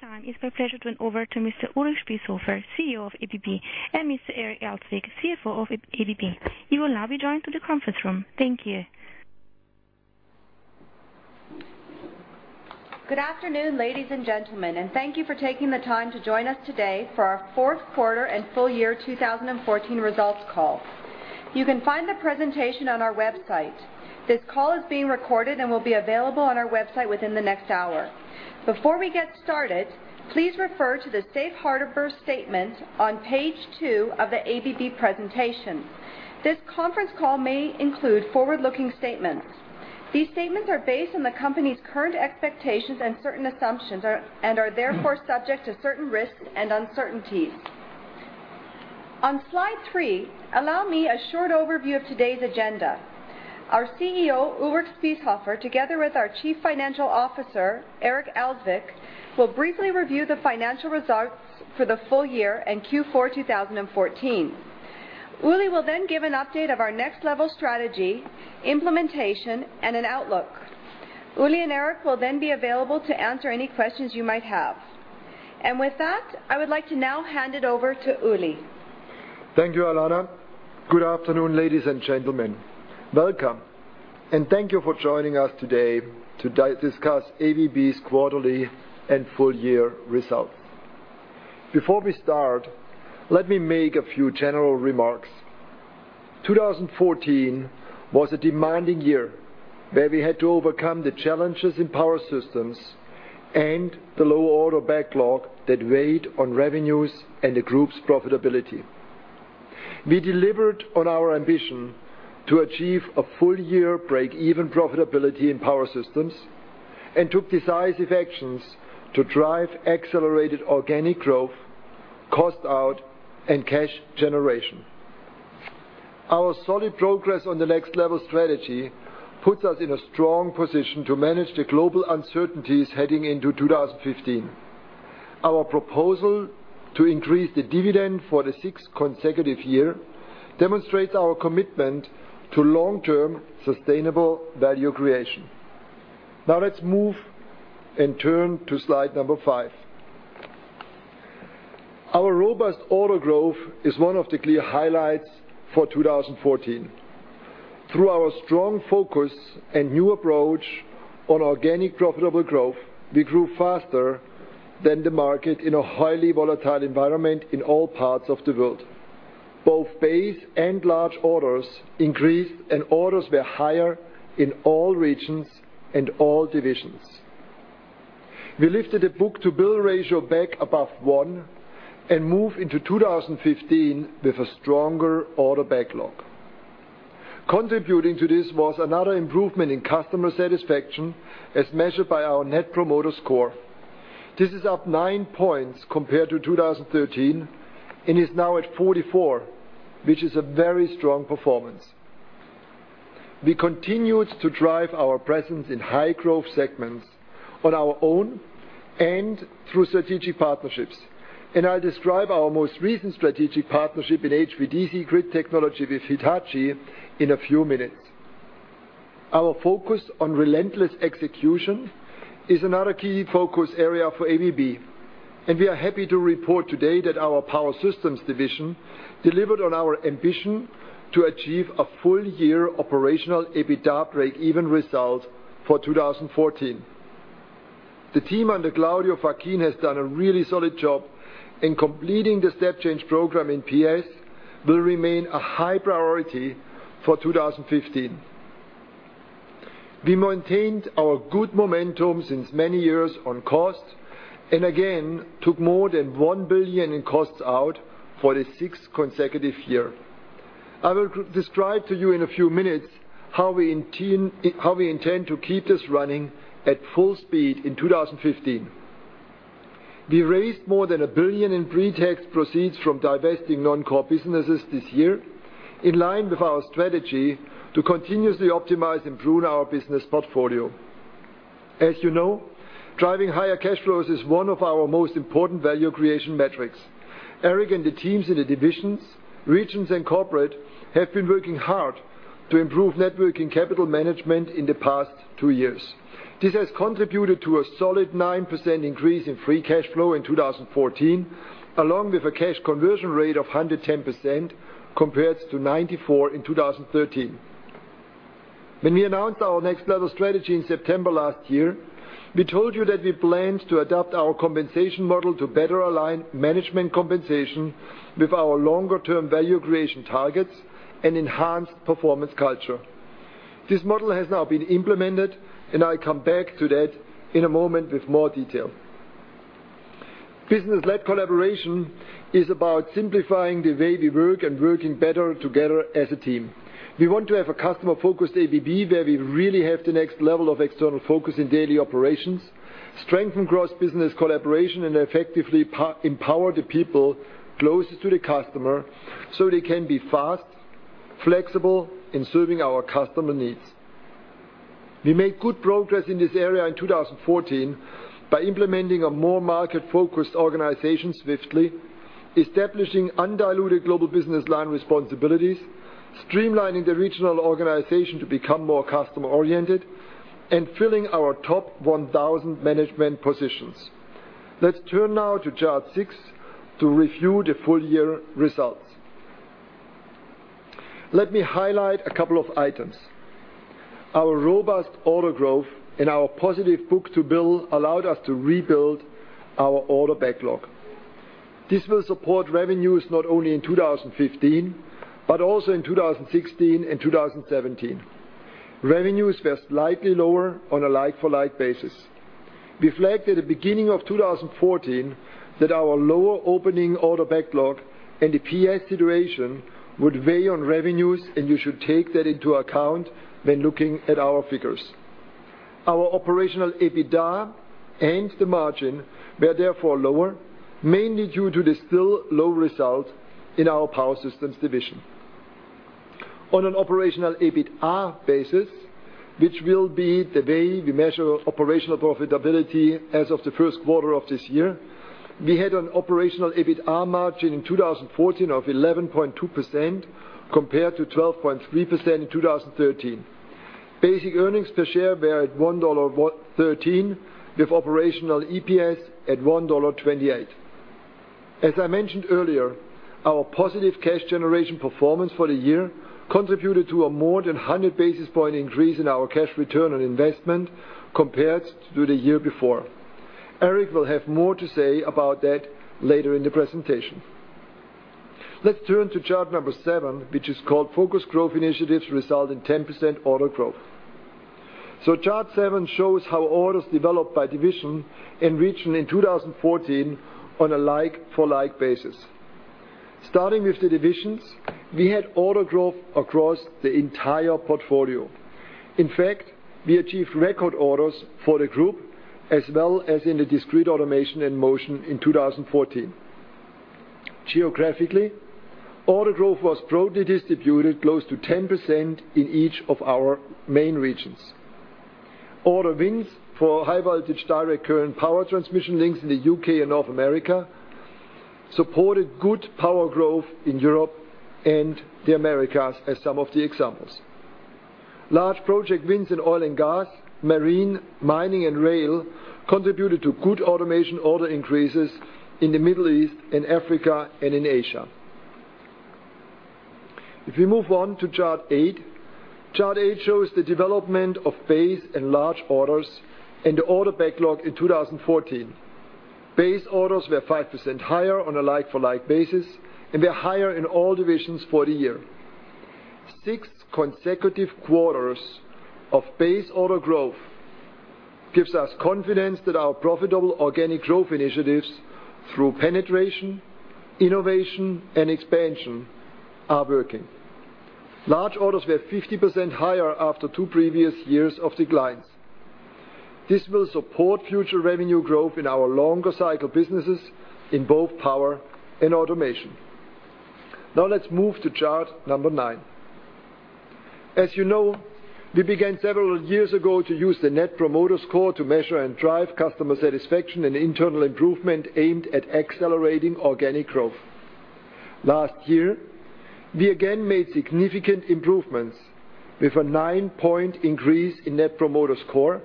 This time, it's my pleasure to hand over to Mr. Ulrich Spiesshofer, CEO of ABB, and Mr. Eric Elzvik, CFO of ABB. You will now be joined to the conference room. Thank you. Good afternoon, ladies and gentlemen. Thank you for taking the time to join us today for our fourth quarter and full year 2014 results call. You can find the presentation on our website. This call is being recorded and will be available on our website within the next hour. Before we get started, please refer to the safe harbor statement on page two of the ABB presentation. This conference call may include forward-looking statements. These statements are based on the company's current expectations and certain assumptions, and are therefore subject to certain risks and uncertainties. On slide three, allow me a short overview of today's agenda. Our CEO, Ulrich Spiesshofer, together with our Chief Financial Officer, Eric Elzvik, will briefly review the financial results for the full year and Q4 2014. Uli will then give an update of our Next Level strategy, implementation, and an outlook. Uli and Eric will then be available to answer any questions you might have. With that, I would like to now hand it over to Uli. Thank you, Alana. Good afternoon, ladies and gentlemen. Welcome, and thank you for joining us today to discuss ABB's quarterly and full-year results. Before we start, let me make a few general remarks. 2014 was a demanding year, where we had to overcome the challenges in Power Systems and the low order backlog that weighed on revenues and the group's profitability. We delivered on our ambition to achieve a full-year breakeven profitability in Power Systems and took decisive actions to drive accelerated organic growth, cost out, and cash generation. Our solid progress on the Next Level strategy puts us in a strong position to manage the global uncertainties heading into 2015. Our proposal to increase the dividend for the sixth consecutive year demonstrates our commitment to long-term sustainable value creation. Now let's move and turn to slide number five. Our robust order growth is one of the clear highlights for 2014. Through our strong focus and new approach on organic profitable growth, we grew faster than the market in a highly volatile environment in all parts of the world. Both base and large orders increased, and orders were higher in all regions and all divisions. We lifted the book-to-bill ratio back above one and move into 2015 with a stronger order backlog. Contributing to this was another improvement in customer satisfaction as measured by our Net Promoter Score. This is up nine points compared to 2013 and is now at 44, which is a very strong performance. We continued to drive our presence in high-growth segments on our own and through strategic partnerships. I'll describe our most recent strategic partnership in HVDC grid technology with Hitachi in a few minutes. Our focus on relentless execution is another key focus area for ABB. We are happy to report today that our Power Systems division delivered on our ambition to achieve a full-year operational EBITDA breakeven result for 2014. The team under Claudio Facchin has done a really solid job. Completing the step change program in PS will remain a high priority for 2015. We maintained our good momentum since many years on cost and again took more than $1 billion in costs out for the sixth consecutive year. I will describe to you in a few minutes how we intend to keep this running at full speed in 2015. We raised more than $1 billion in pre-tax proceeds from divesting non-core businesses this year, in line with our strategy to continuously optimize, improve our business portfolio. As you know, driving higher cash flows is one of our most important value creation metrics. Eric and the teams in the divisions, regions, and corporate have been working hard to improve net working capital management in the past two years. This has contributed to a solid 9% increase in free cash flow in 2014, along with a cash conversion rate of 110% compared to 94 in 2013. When we announced our Next Level strategy in September last year, we told you that we planned to adopt our compensation model to better align management compensation with our longer-term value creation targets and enhanced performance culture. This model has now been implemented. I'll come back to that in a moment with more detail. Business-led collaboration is about simplifying the way we work and working better together as a team. We want to have a customer-focused ABB where we really have the Next Level of external focus in daily operations, strengthen cross-business collaboration, and effectively empower the people closest to the customer so they can be fast, flexible in serving our customer needs. We made good progress in this area in 2014 by implementing a more market-focused organization swiftly. Establishing undiluted global business line responsibilities, streamlining the regional organization to become more customer-oriented, and filling our top 1,000 management positions. Let's turn now to Chart six to review the full year results. Let me highlight a couple of items. Our robust order growth and our positive book-to-bill allowed us to rebuild our order backlog. This will support revenues not only in 2015, but also in 2016 and 2017. Revenues were slightly lower on a like-for-like basis. We flagged at the beginning of 2014 that our lower opening order backlog and the PS situation would weigh on revenues, and you should take that into account when looking at our figures. Our operational EBITDA and the margin were therefore lower, mainly due to the still low result in our Power Systems division. On an operational EBITDA basis, which will be the way we measure operational profitability as of the first quarter of this year, we had an operational EBITDA margin in 2014 of 11.2% compared to 12.3% in 2013. Basic earnings per share were at $1.13, with operational EPS at $1.28. As I mentioned earlier, our positive cash generation performance for the year contributed to a more than 100 basis point increase in our cash return on investment compared to the year before. Eric will have more to say about that later in the presentation. Let's turn to chart number seven, which is called Focused Growth Initiatives Result in 10% Order Growth. Chart seven shows how orders developed by division and region in 2014 on a like-for-like basis. Starting with the divisions, we had order growth across the entire portfolio. In fact, we achieved record orders for the group as well as in the Discrete Automation and Motion in 2014. Geographically, order growth was broadly distributed close to 10% in each of our main regions. Order wins for high voltage direct current power transmission links in the U.K. and North America supported good power growth in Europe and the Americas as some of the examples. Large project wins in oil and gas, marine, mining, and rail contributed to good automation order increases in the Middle East and Africa and in Asia. If we move on to Chart eight. Chart eight shows the development of base and large orders and the order backlog in 2014. Base orders were 5% higher on a like-for-like basis, and were higher in all divisions for the year. Six consecutive quarters of base order growth gives us confidence that our profitable organic growth initiatives through Penetration, Innovation, and Expansion are working. Large orders were 50% higher after two previous years of declines. This will support future revenue growth in our longer cycle businesses in both Power and Automation. Now let's move to chart number nine. As you know, we began several years ago to use the Net Promoter Score to measure and drive customer satisfaction and internal improvement aimed at accelerating organic growth. Last year, we again made significant improvements with a nine-point increase in Net Promoter Score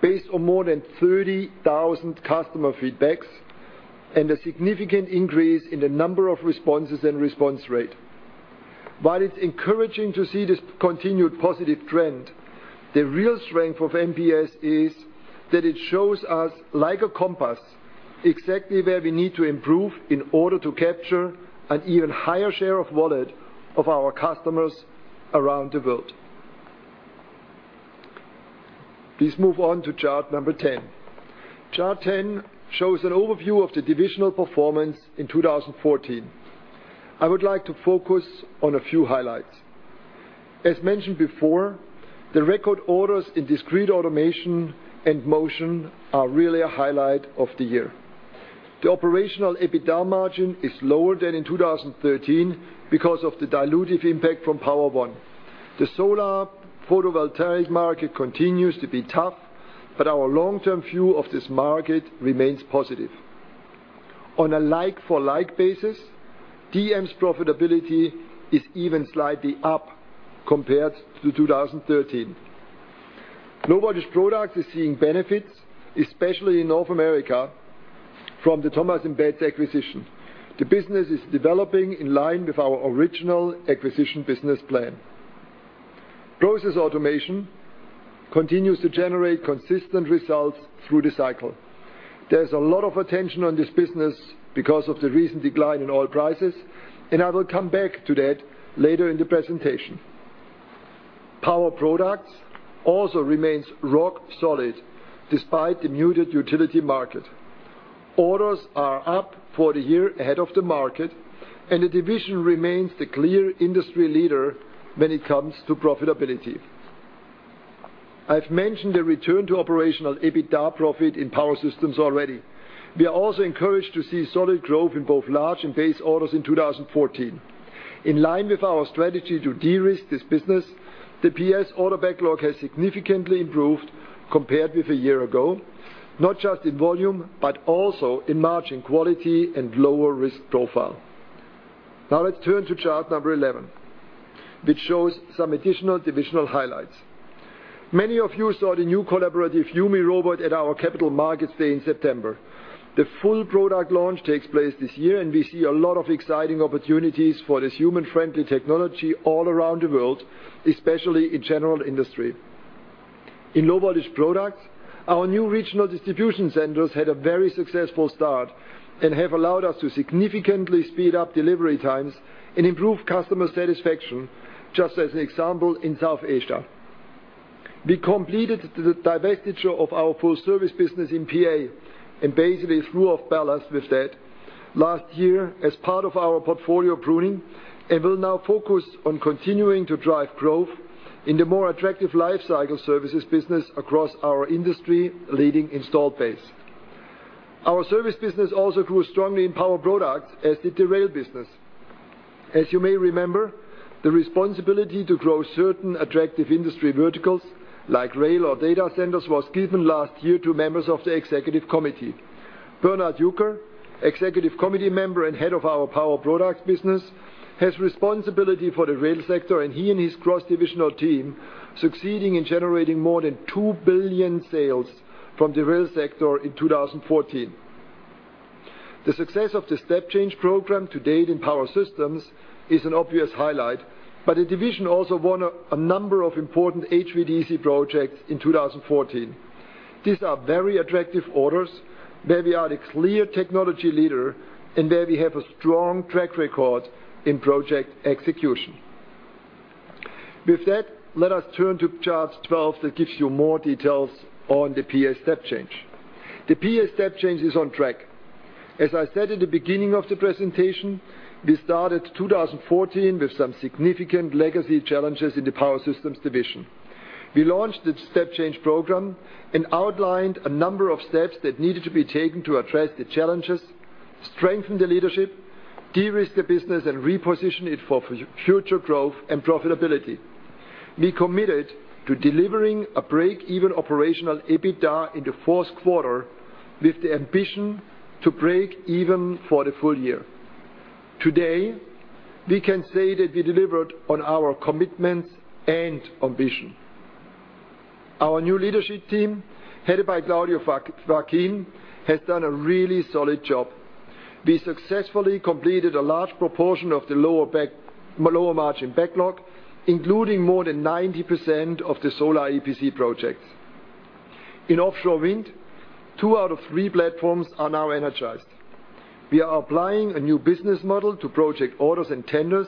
based on more than 30,000 customer feedbacks, and a significant increase in the number of responses and response rate. While it's encouraging to see this continued positive trend, the real strength of NPS is that it shows us, like a compass, exactly where we need to improve in order to capture an even higher share of wallet of our customers around the world. Please move on to chart number 10. Chart 10 shows an overview of the divisional performance in 2014. I would like to focus on a few highlights. As mentioned before, the record orders in Discrete Automation and Motion are really a highlight of the year. The operational EBITDA margin is lower than in 2013 because of the dilutive impact from Power-One. The solar photovoltaic market continues to be tough. Our long-term view of this market remains positive. On a like-for-like basis, DM's profitability is even slightly up compared to 2013. Low Voltage Products is seeing benefits, especially in North America, from the Thomas & Betts acquisition. The business is developing in line with our original acquisition business plan. Process Automation continues to generate consistent results through the cycle. There's a lot of attention on this business because of the recent decline in oil prices, and I will come back to that later in the presentation. Power Products also remains rock solid despite the muted utility market. Orders are up for the year ahead of the market, and the division remains the clear industry leader when it comes to profitability. I've mentioned the return to operational EBITDA profit in Power Systems already. We are also encouraged to see solid growth in both large and base orders in 2014. In line with our strategy to de-risk this business, the PS order backlog has significantly improved compared with a year ago, not just in volume, but also in margin quality and lower risk profile. Let's turn to chart number 11, which shows some additional divisional highlights. Many of you saw the new collaborative YuMi robot at our Capital Markets Day in September. The full product launch takes place this year, and we see a lot of exciting opportunities for this human-friendly technology all around the world, especially in general industry. In Low Voltage Products, our new regional distribution centers had a very successful start and have allowed us to significantly speed up delivery times and improve customer satisfaction, just as an example, in South Asia. We completed the divestiture of our full service business in PA. Basically threw off ballast with that last year as part of our portfolio pruning, and will now focus on continuing to drive growth in the more attractive life cycle services business across our industry-leading installed base. Our service business also grew strongly in Power Products, as did the rail business. You may remember, the responsibility to grow certain attractive industry verticals like rail or data centers was given last year to members of the executive committee. Bernhard Jucker, executive committee member and head of our Power Products business, has responsibility for the rail sector, and he and his cross-divisional team succeeding in generating more than 2 billion sales from the rail sector in 2014. The success of the Step Change Program to date in Power Systems is an obvious highlight. The division also won a number of important HVDC projects in 2014. These are very attractive orders where we are the clear technology leader and where we have a strong track record in project execution. Let us turn to chart 12 that gives you more details on the PS Step Change. The PS Step Change is on track. I said at the beginning of the presentation, I started 2014 with some significant legacy challenges in the Power Systems division. We launched the Step Change Program and outlined a number of steps that needed to be taken to address the challenges, strengthen the leadership, de-risk the business, and reposition it for future growth and profitability. We committed to delivering a break-even operational EBITDA in the fourth quarter with the ambition to break even for the full year. Today, we can say that we delivered on our commitments and ambition. Our new leadership team, headed by Claudio Facchin, has done a really solid job. We successfully completed a large proportion of the lower margin backlog, including more than 90% of the solar EPC projects. In offshore wind, two out of three platforms are now energized. We are applying a new business model to project orders and tenders,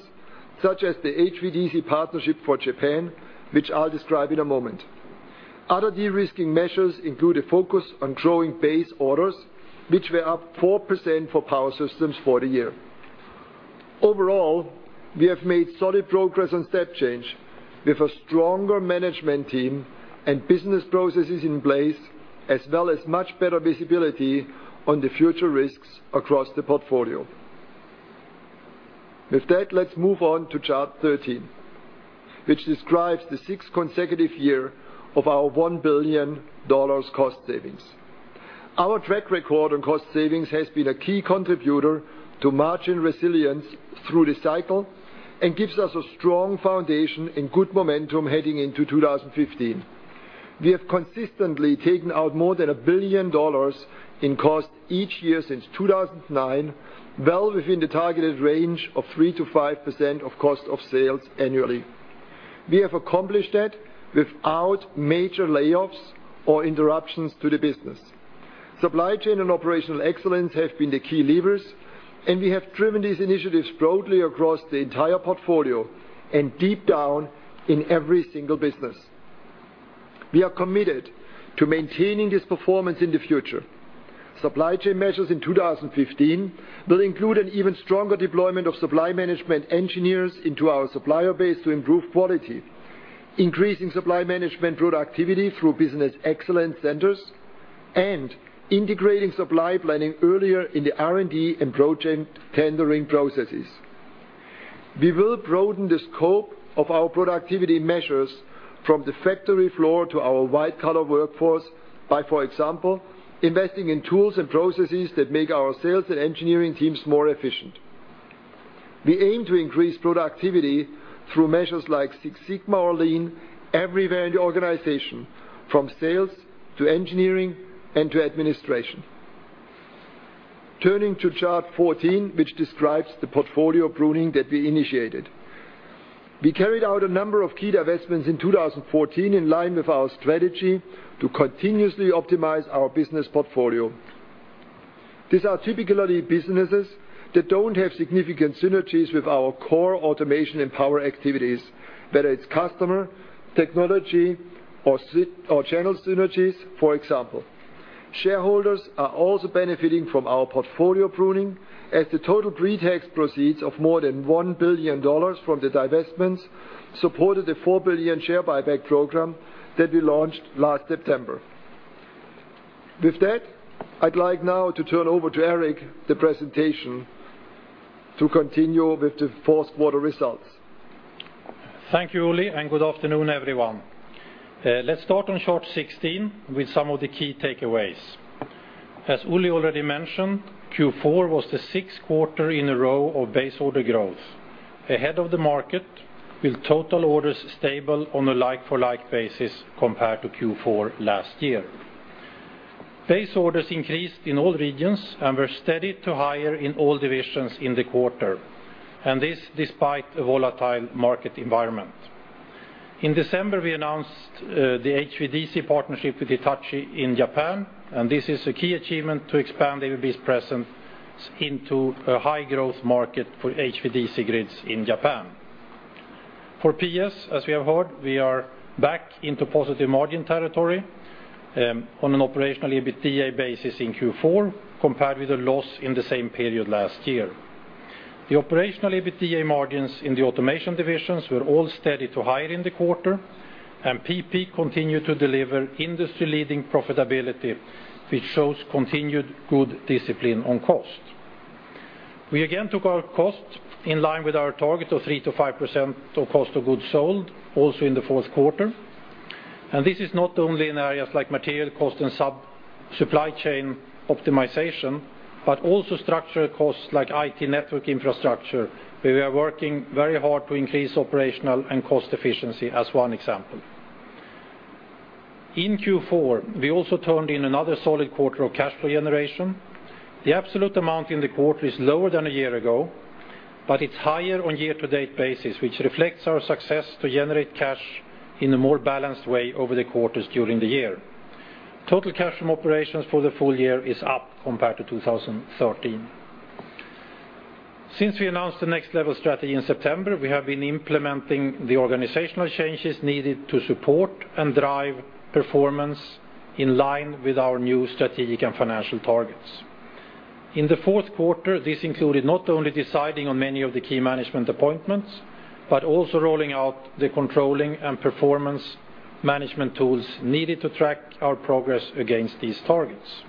such as the HVDC partnership for Japan, which I'll describe in a moment. Other de-risking measures include a focus on growing base orders, which were up 4% for Power Systems for the year. Overall, we have made solid progress on step change with a stronger management team and business processes in place, as well as much better visibility on the future risks across the portfolio. With that, let's move on to chart 13, which describes the sixth consecutive year of our $1 billion cost savings. Our track record on cost savings has been a key contributor to margin resilience through the cycle and gives us a strong foundation and good momentum heading into 2015. We have consistently taken out more than $1 billion in cost each year since 2009, well within the targeted range of 3%-5% of cost of sales annually. We have accomplished that without major layoffs or interruptions to the business. Supply chain and operational excellence have been the key levers. We have driven these initiatives broadly across the entire portfolio and deep down in every single business. We are committed to maintaining this performance in the future. Supply chain measures in 2015 will include an even stronger deployment of supply management engineers into our supplier base to improve quality, increasing supply management productivity through business excellence centers, and integrating supply planning earlier in the R&D and pro-tendering processes. We will broaden the scope of our productivity measures from the factory floor to our white-collar workforce by, for example, investing in tools and processes that make our sales and engineering teams more efficient. We aim to increase productivity through measures like Six Sigma or Lean everywhere in the organization, from sales to engineering and to administration. Turning to chart 14, which describes the portfolio pruning that we initiated. We carried out a number of key divestments in 2014 in line with our strategy to continuously optimize our business portfolio. These are typically businesses that don't have significant synergies with our core automation and power activities, whether it's customer, technology or channel synergies, for example. Shareholders are also benefiting from our portfolio pruning as the total pretax proceeds of more than $1 billion from the divestments supported the $4 billion share buyback program that we launched last September. With that, I'd like now to turn over to Eric the presentation to continue with the fourth quarter results. Thank you, Uli, good afternoon, everyone. Let's start on chart 16 with some of the key takeaways. As Uli already mentioned, Q4 was the sixth quarter in a row of base order growth, ahead of the market with total orders stable on a like-for-like basis compared to Q4 last year. Base orders increased in all regions and were steady to higher in all divisions in the quarter, despite a volatile market environment. In December, we announced the HVDC partnership with Hitachi in Japan, this is a key achievement to expand ABB's presence into a high-growth market for HVDC grids in Japan. For PS, as we have heard, we are back into positive margin territory on an operational EBITDA basis in Q4 compared with a loss in the same period last year. The operational EBITDA margins in the automation divisions were all steady to higher in the quarter, PP continued to deliver industry-leading profitability, which shows continued good discipline on cost. We again took our cost in line with our target of 3%-5% of cost of goods sold also in the fourth quarter. This is not only in areas like material cost and supply chain optimization, but also structural costs like IT network infrastructure, where we are working very hard to increase operational and cost efficiency as one example. In Q4, we also turned in another solid quarter of cash flow generation. The absolute amount in the quarter is lower than a year ago, but it's higher on year-to-date basis, which reflects our success to generate cash in a more balanced way over the quarters during the year. Total cash from operations for the full year is up compared to 2013. Since we announced the Next Level strategy in September, we have been implementing the organizational changes needed to support and drive performance in line with our new strategic and financial targets. In the fourth quarter, this included not only deciding on many of the key management appointments, but also rolling out the controlling and performance management tools needed to track our progress against these targets.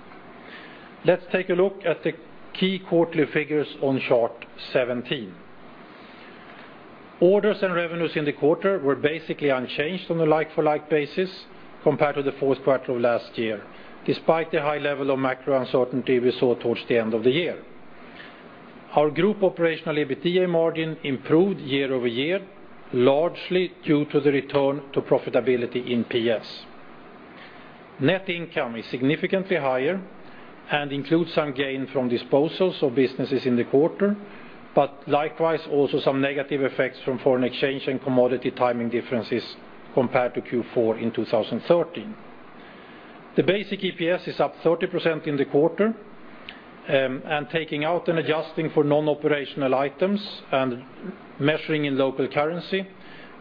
Let's take a look at the key quarterly figures on chart 17. Orders and revenues in the quarter were basically unchanged on a like-for-like basis compared to the fourth quarter of last year, despite the high level of macro uncertainty we saw towards the end of the year. Our group operational EBITDA margin improved year-over-year, largely due to the return to profitability in PS. Net income is significantly higher, includes some gain from disposals of businesses in the quarter, likewise also some negative effects from foreign exchange and commodity timing differences compared to Q4 in 2013. The basic EPS is up 30% in the quarter, taking out and adjusting for non-operational items and measuring in local currency,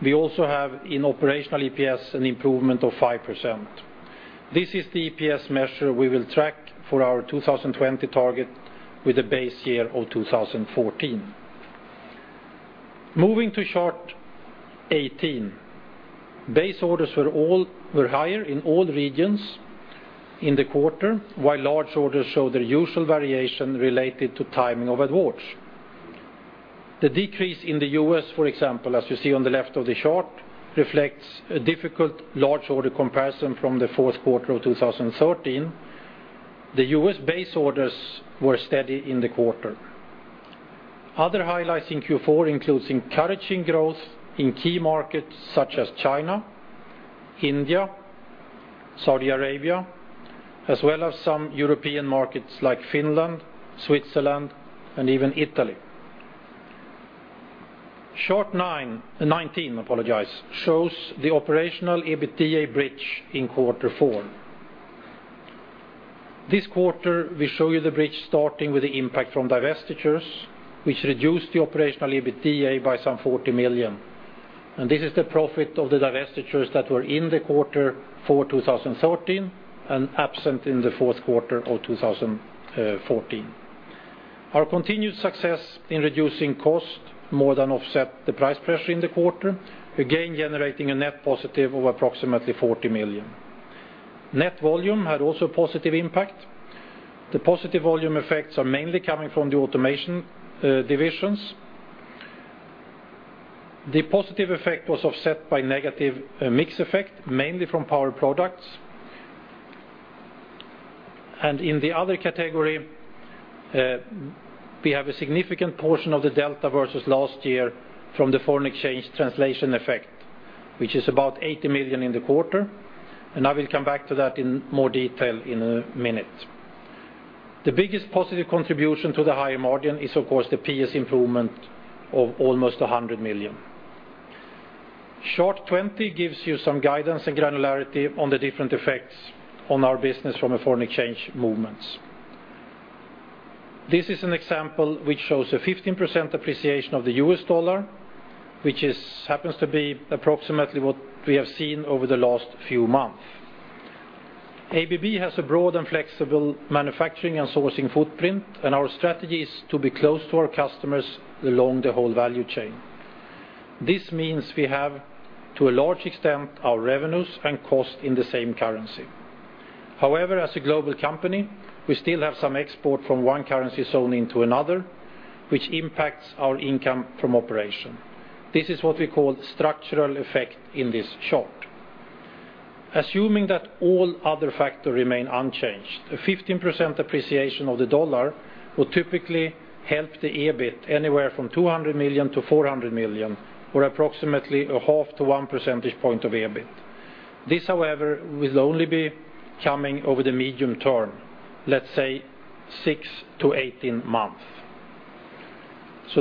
we also have in operational EPS an improvement of 5%. This is the EPS measure we will track for our 2020 target with a base year of 2014. Moving to chart 18. Base orders were higher in all regions in the quarter, while large orders show their usual variation related to timing of awards. The decrease in the U.S., for example, as you see on the left of the chart, reflects a difficult large order comparison from the fourth quarter of 2013. The U.S. base orders were steady in the quarter. Other highlights in Q4 includes encouraging growth in key markets such as China, India, Saudi Arabia, as well as some European markets like Finland, Switzerland, and even Italy. Chart 19 shows the operational EBITDA bridge in Q4. This quarter, we show you the bridge starting with the impact from divestitures, which reduced the operational EBITDA by some $40 million. This is the profit of the divestitures that were in the quarter for 2013 and absent in the fourth quarter of 2014. Our continued success in reducing cost more than offset the price pressure in the quarter, again generating a net positive of approximately $40 million. Net volume had also a positive impact. The positive volume effects are mainly coming from the automation divisions. The positive effect was offset by negative mix effect, mainly from Power Products. In the other category, we have a significant portion of the delta versus last year from the foreign exchange translation effect, which is about $80 million in the quarter. I will come back to that in more detail in a minute. The biggest positive contribution to the higher margin is, of course, the PS improvement of almost $100 million. Chart 20 gives you some guidance and granularity on the different effects on our business from a foreign exchange movements. This is an example which shows a 15% appreciation of the US dollar, which happens to be approximately what we have seen over the last few months. ABB has a broad and flexible manufacturing and sourcing footprint, and our strategy is to be close to our customers along the whole value chain. This means we have, to a large extent, our revenues and costs in the same currency. However, as a global company, we still have some export from one currency zone into another, which impacts our income from operation. This is what we call structural effect in this chart. Assuming that all other factors remain unchanged, a 15% appreciation of the dollar will typically help the EBIT anywhere from $200 million to $400 million, or approximately a half to one percentage point of EBIT. This, however, will only be coming over the medium term, let's say 6 to 18 months.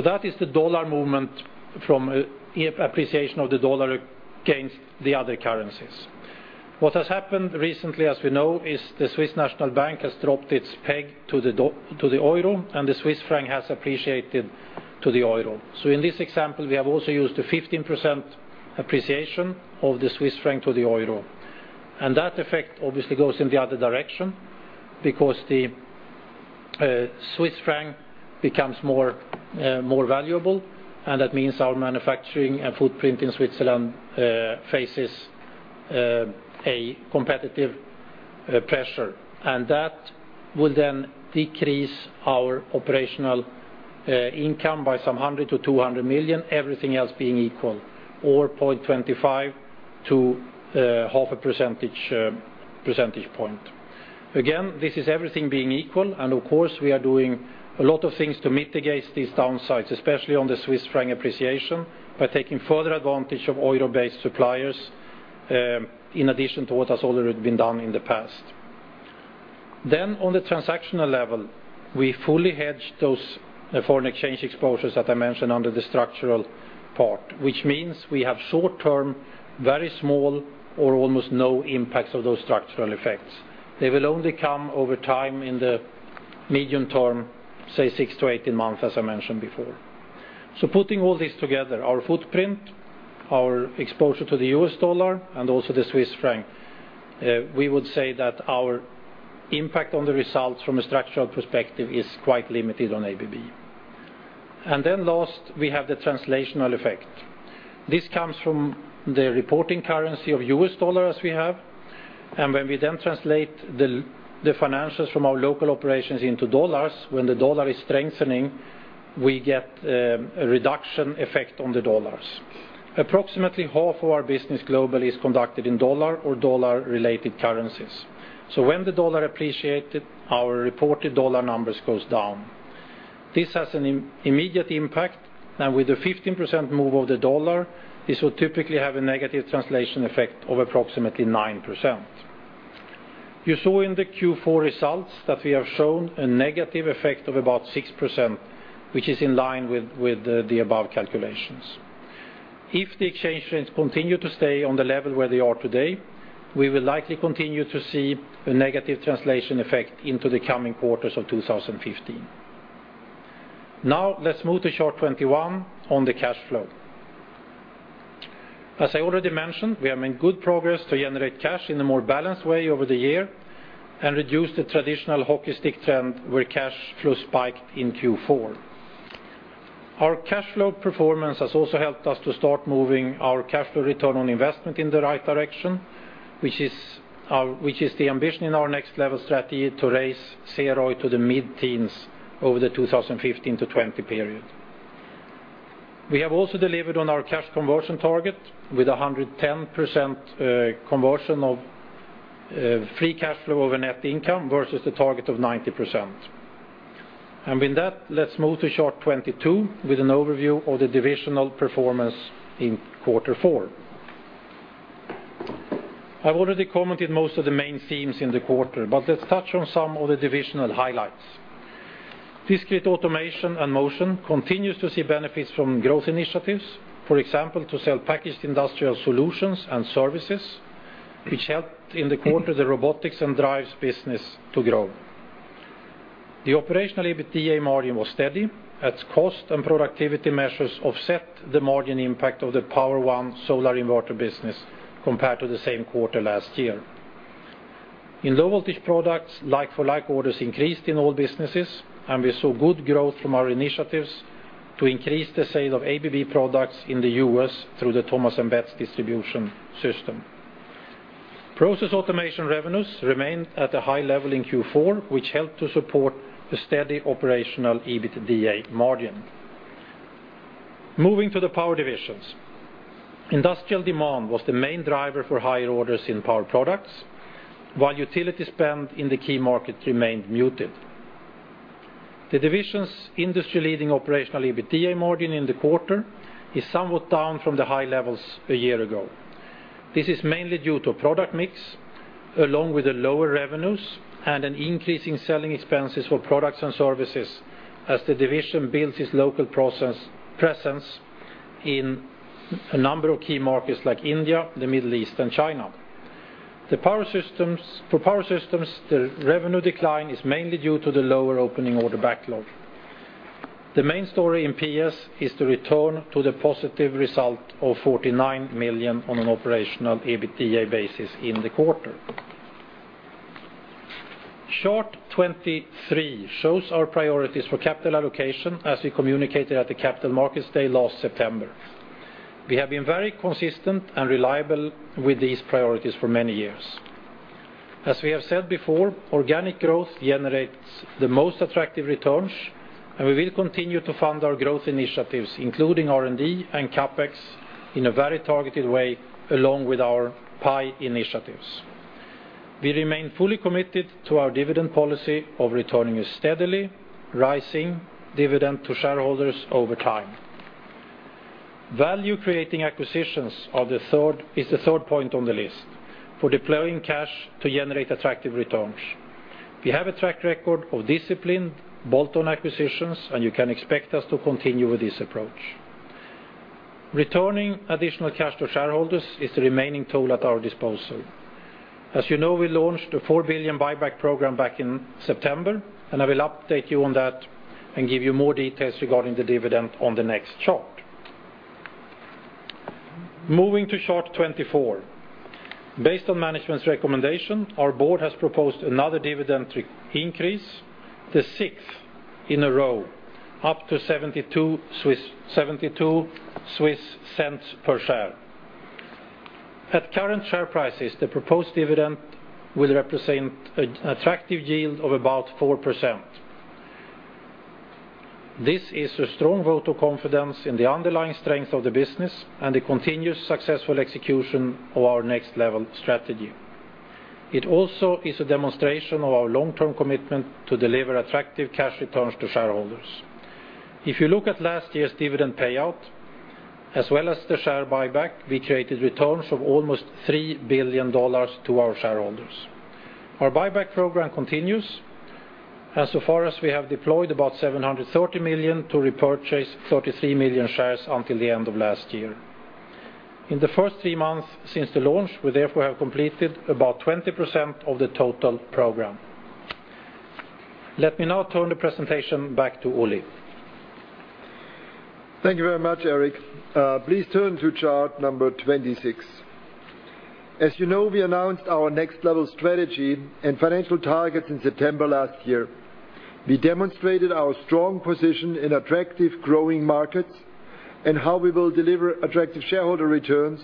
That is the dollar movement from appreciation of the dollar against the other currencies. What has happened recently, as we know, is the Swiss National Bank has dropped its peg to the EUR, and the Swiss franc has appreciated to the EUR. That effect obviously goes in the other direction, because the Swiss franc becomes more valuable, and that means our manufacturing and footprint in Switzerland faces a competitive pressure. That will then decrease our operational income by some $100 million to $200 million, everything else being equal, or 0.25 to half a percentage point. Again, this is everything being equal, and of course, we are doing a lot of things to mitigate these downsides, especially on the Swiss franc appreciation, by taking further advantage of EUR-based suppliers, in addition to what has already been done in the past. On the transactional level, we fully hedge those foreign exchange exposures that I mentioned under the structural part, which means we have short-term, very small, or almost no impacts of those structural effects. They will only come over time in the medium term, say 6 to 18 months, as I mentioned before. Putting all this together, our footprint, our exposure to the US dollar, and also the Swiss franc, we would say that our impact on the results from a structural perspective is quite limited on ABB. Then last, we have the translational effect. This comes from the reporting currency of US dollar as we have. When we then translate the financials from our local operations into $, when the US dollar is strengthening, we get a reduction effect on the $. Approximately half of our business globally is conducted in US dollar or US dollar-related currencies. When the US dollar appreciated, our reported US dollar numbers goes down. This has an immediate impact, and with a 15% move of the US dollar, this will typically have a negative translation effect of approximately 9%. You saw in the Q4 results that we have shown a negative effect of about 6%, which is in line with the above calculations. If the exchange rates continue to stay on the level where they are today, we will likely continue to see a negative translation effect into the coming quarters of 2015. Let's move to chart 21 on the cash flow. As I already mentioned, we have made good progress to generate cash in a more balanced way over the year and reduce the traditional hockey stick trend where cash flow spiked in Q4. Our cash flow performance has also helped us to start moving our cash flow return on investment in the right direction, which is the ambition in our Next Level strategy to raise CROI to the mid-teens over the 2015 to 2020 period. We have also delivered on our cash conversion target with 110% conversion of free cash flow over net income versus the target of 90%. With that, let's move to chart 22 with an overview of the divisional performance in quarter four. I've already commented most of the main themes in the quarter, but let's touch on some of the divisional highlights. Discrete Automation and Motion continues to see benefits from growth initiatives, for example, to sell packaged industrial solutions and services, which helped in the quarter the robotics and drives business to grow. The operational EBITDA margin was steady, as cost and productivity measures offset the margin impact of the Power-One solar inverter business compared to the same quarter last year. In Low Voltage Products, like-for-like orders increased in all businesses, and we saw good growth from our initiatives to increase the sale of ABB products in the U.S. through the Thomas & Betts distribution system. Process Automation revenues remained at a high level in Q4, which helped to support a steady operational EBITDA margin. Moving to the power divisions. Industrial demand was the main driver for higher orders in Power Products, while utility spend in the key market remained muted. The division's industry-leading operational EBITDA margin in the quarter is somewhat down from the high levels a year ago. This is mainly due to product mix, along with the lower revenues and an increase in selling expenses for products and services as the division builds its local presence in a number of key markets like India, the Middle East, and China. For Power Systems, the revenue decline is mainly due to the lower opening order backlog. The main story in PS is the return to the positive result of 49 million on an operational EBITDA basis in the quarter. Chart 23 shows our priorities for capital allocation, as we communicated at the Capital Markets Day last September. We have been very consistent and reliable with these priorities for many years. As we have said before, organic growth generates the most attractive returns, and we will continue to fund our growth initiatives, including R&D and CapEx, in a very targeted way, along with our PIE initiatives. We remain fully committed to our dividend policy of returning a steadily rising dividend to shareholders over time. Value-creating acquisitions is the third point on the list for deploying cash to generate attractive returns. We have a track record of disciplined bolt-on acquisitions, and you can expect us to continue with this approach. Returning additional cash to shareholders is the remaining tool at our disposal. As you know, we launched a $4 billion buyback program back in September, and I will update you on that and give you more details regarding the dividend on the next chart. Moving to Chart 24. Based on management's recommendation, our board has proposed another dividend increase, the sixth in a row, up to 0.72 per share. At current share prices, the proposed dividend will represent an attractive yield of about 4%. This is a strong vote of confidence in the underlying strength of the business and the continuous successful execution of our Next Level strategy. It also is a demonstration of our long-term commitment to deliver attractive cash returns to shareholders. If you look at last year's dividend payout, as well as the share buyback, we created returns of almost $3 billion to our shareholders. Our buyback program continues, and so far as we have deployed about $730 million to repurchase 33 million shares until the end of last year. In the first three months since the launch, we therefore have completed about 20% of the total program. Let me now turn the presentation back to Uli. Thank you very much, Eric. Please turn to Chart 26. As you know, we announced our Next Level strategy and financial targets in September last year. We demonstrated our strong position in attractive growing markets and how we will deliver attractive shareholder returns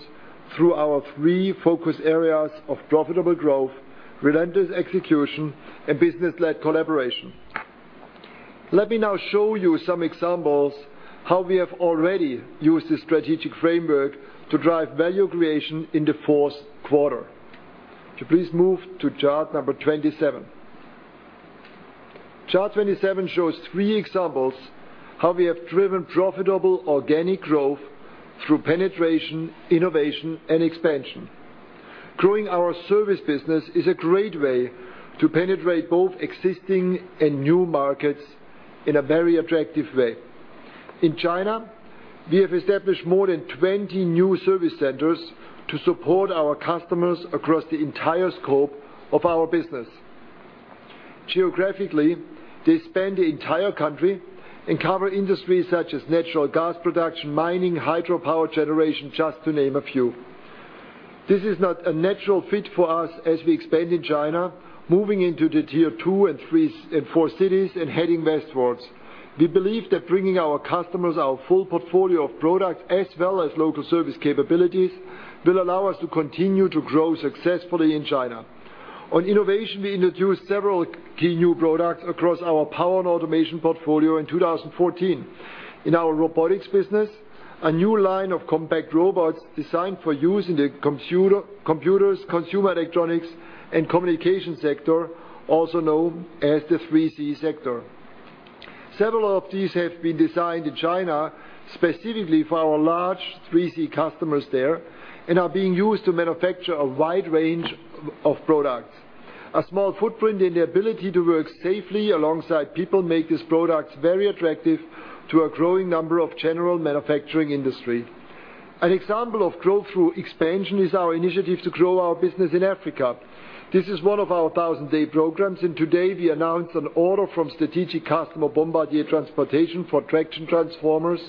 through our three focus areas of profitable growth, relentless execution, and business-led collaboration. Let me now show you some examples how we have already used this strategic framework to drive value creation in the fourth quarter. Could you please move to Chart 27? Chart 27 shows three examples how we have driven profitable organic growth through Penetration, Innovation, and Expansion. Growing our service business is a great way to penetrate both existing and new markets in a very attractive way. In China, we have established more than 20 new service centers to support our customers across the entire scope of our business. Geographically, they span the entire country and cover industries such as natural gas production, mining, hydropower generation, just to name a few. This is not a natural fit for us as we expand in China, moving into the tier 2 and 3 and 4 cities and heading westwards. We believe that bringing our customers our full portfolio of products as well as local service capabilities will allow us to continue to grow successfully in China. On innovation, we introduced several key new products across our power and automation portfolio in 2014. In our robotics business, a new line of compact robots designed for use in the computers, consumer electronics, and communication sector, also known as the 3C sector. Several of these have been designed in China specifically for our large 3C customers there and are being used to manufacture a wide range of products. A small footprint and the ability to work safely alongside people make these products very attractive to a growing number of general manufacturing industry. An example of growth through expansion is our initiative to grow our business in Africa. This is one of our Thousand Day programs, and today we announced an order from strategic customer Bombardier Transportation for traction transformers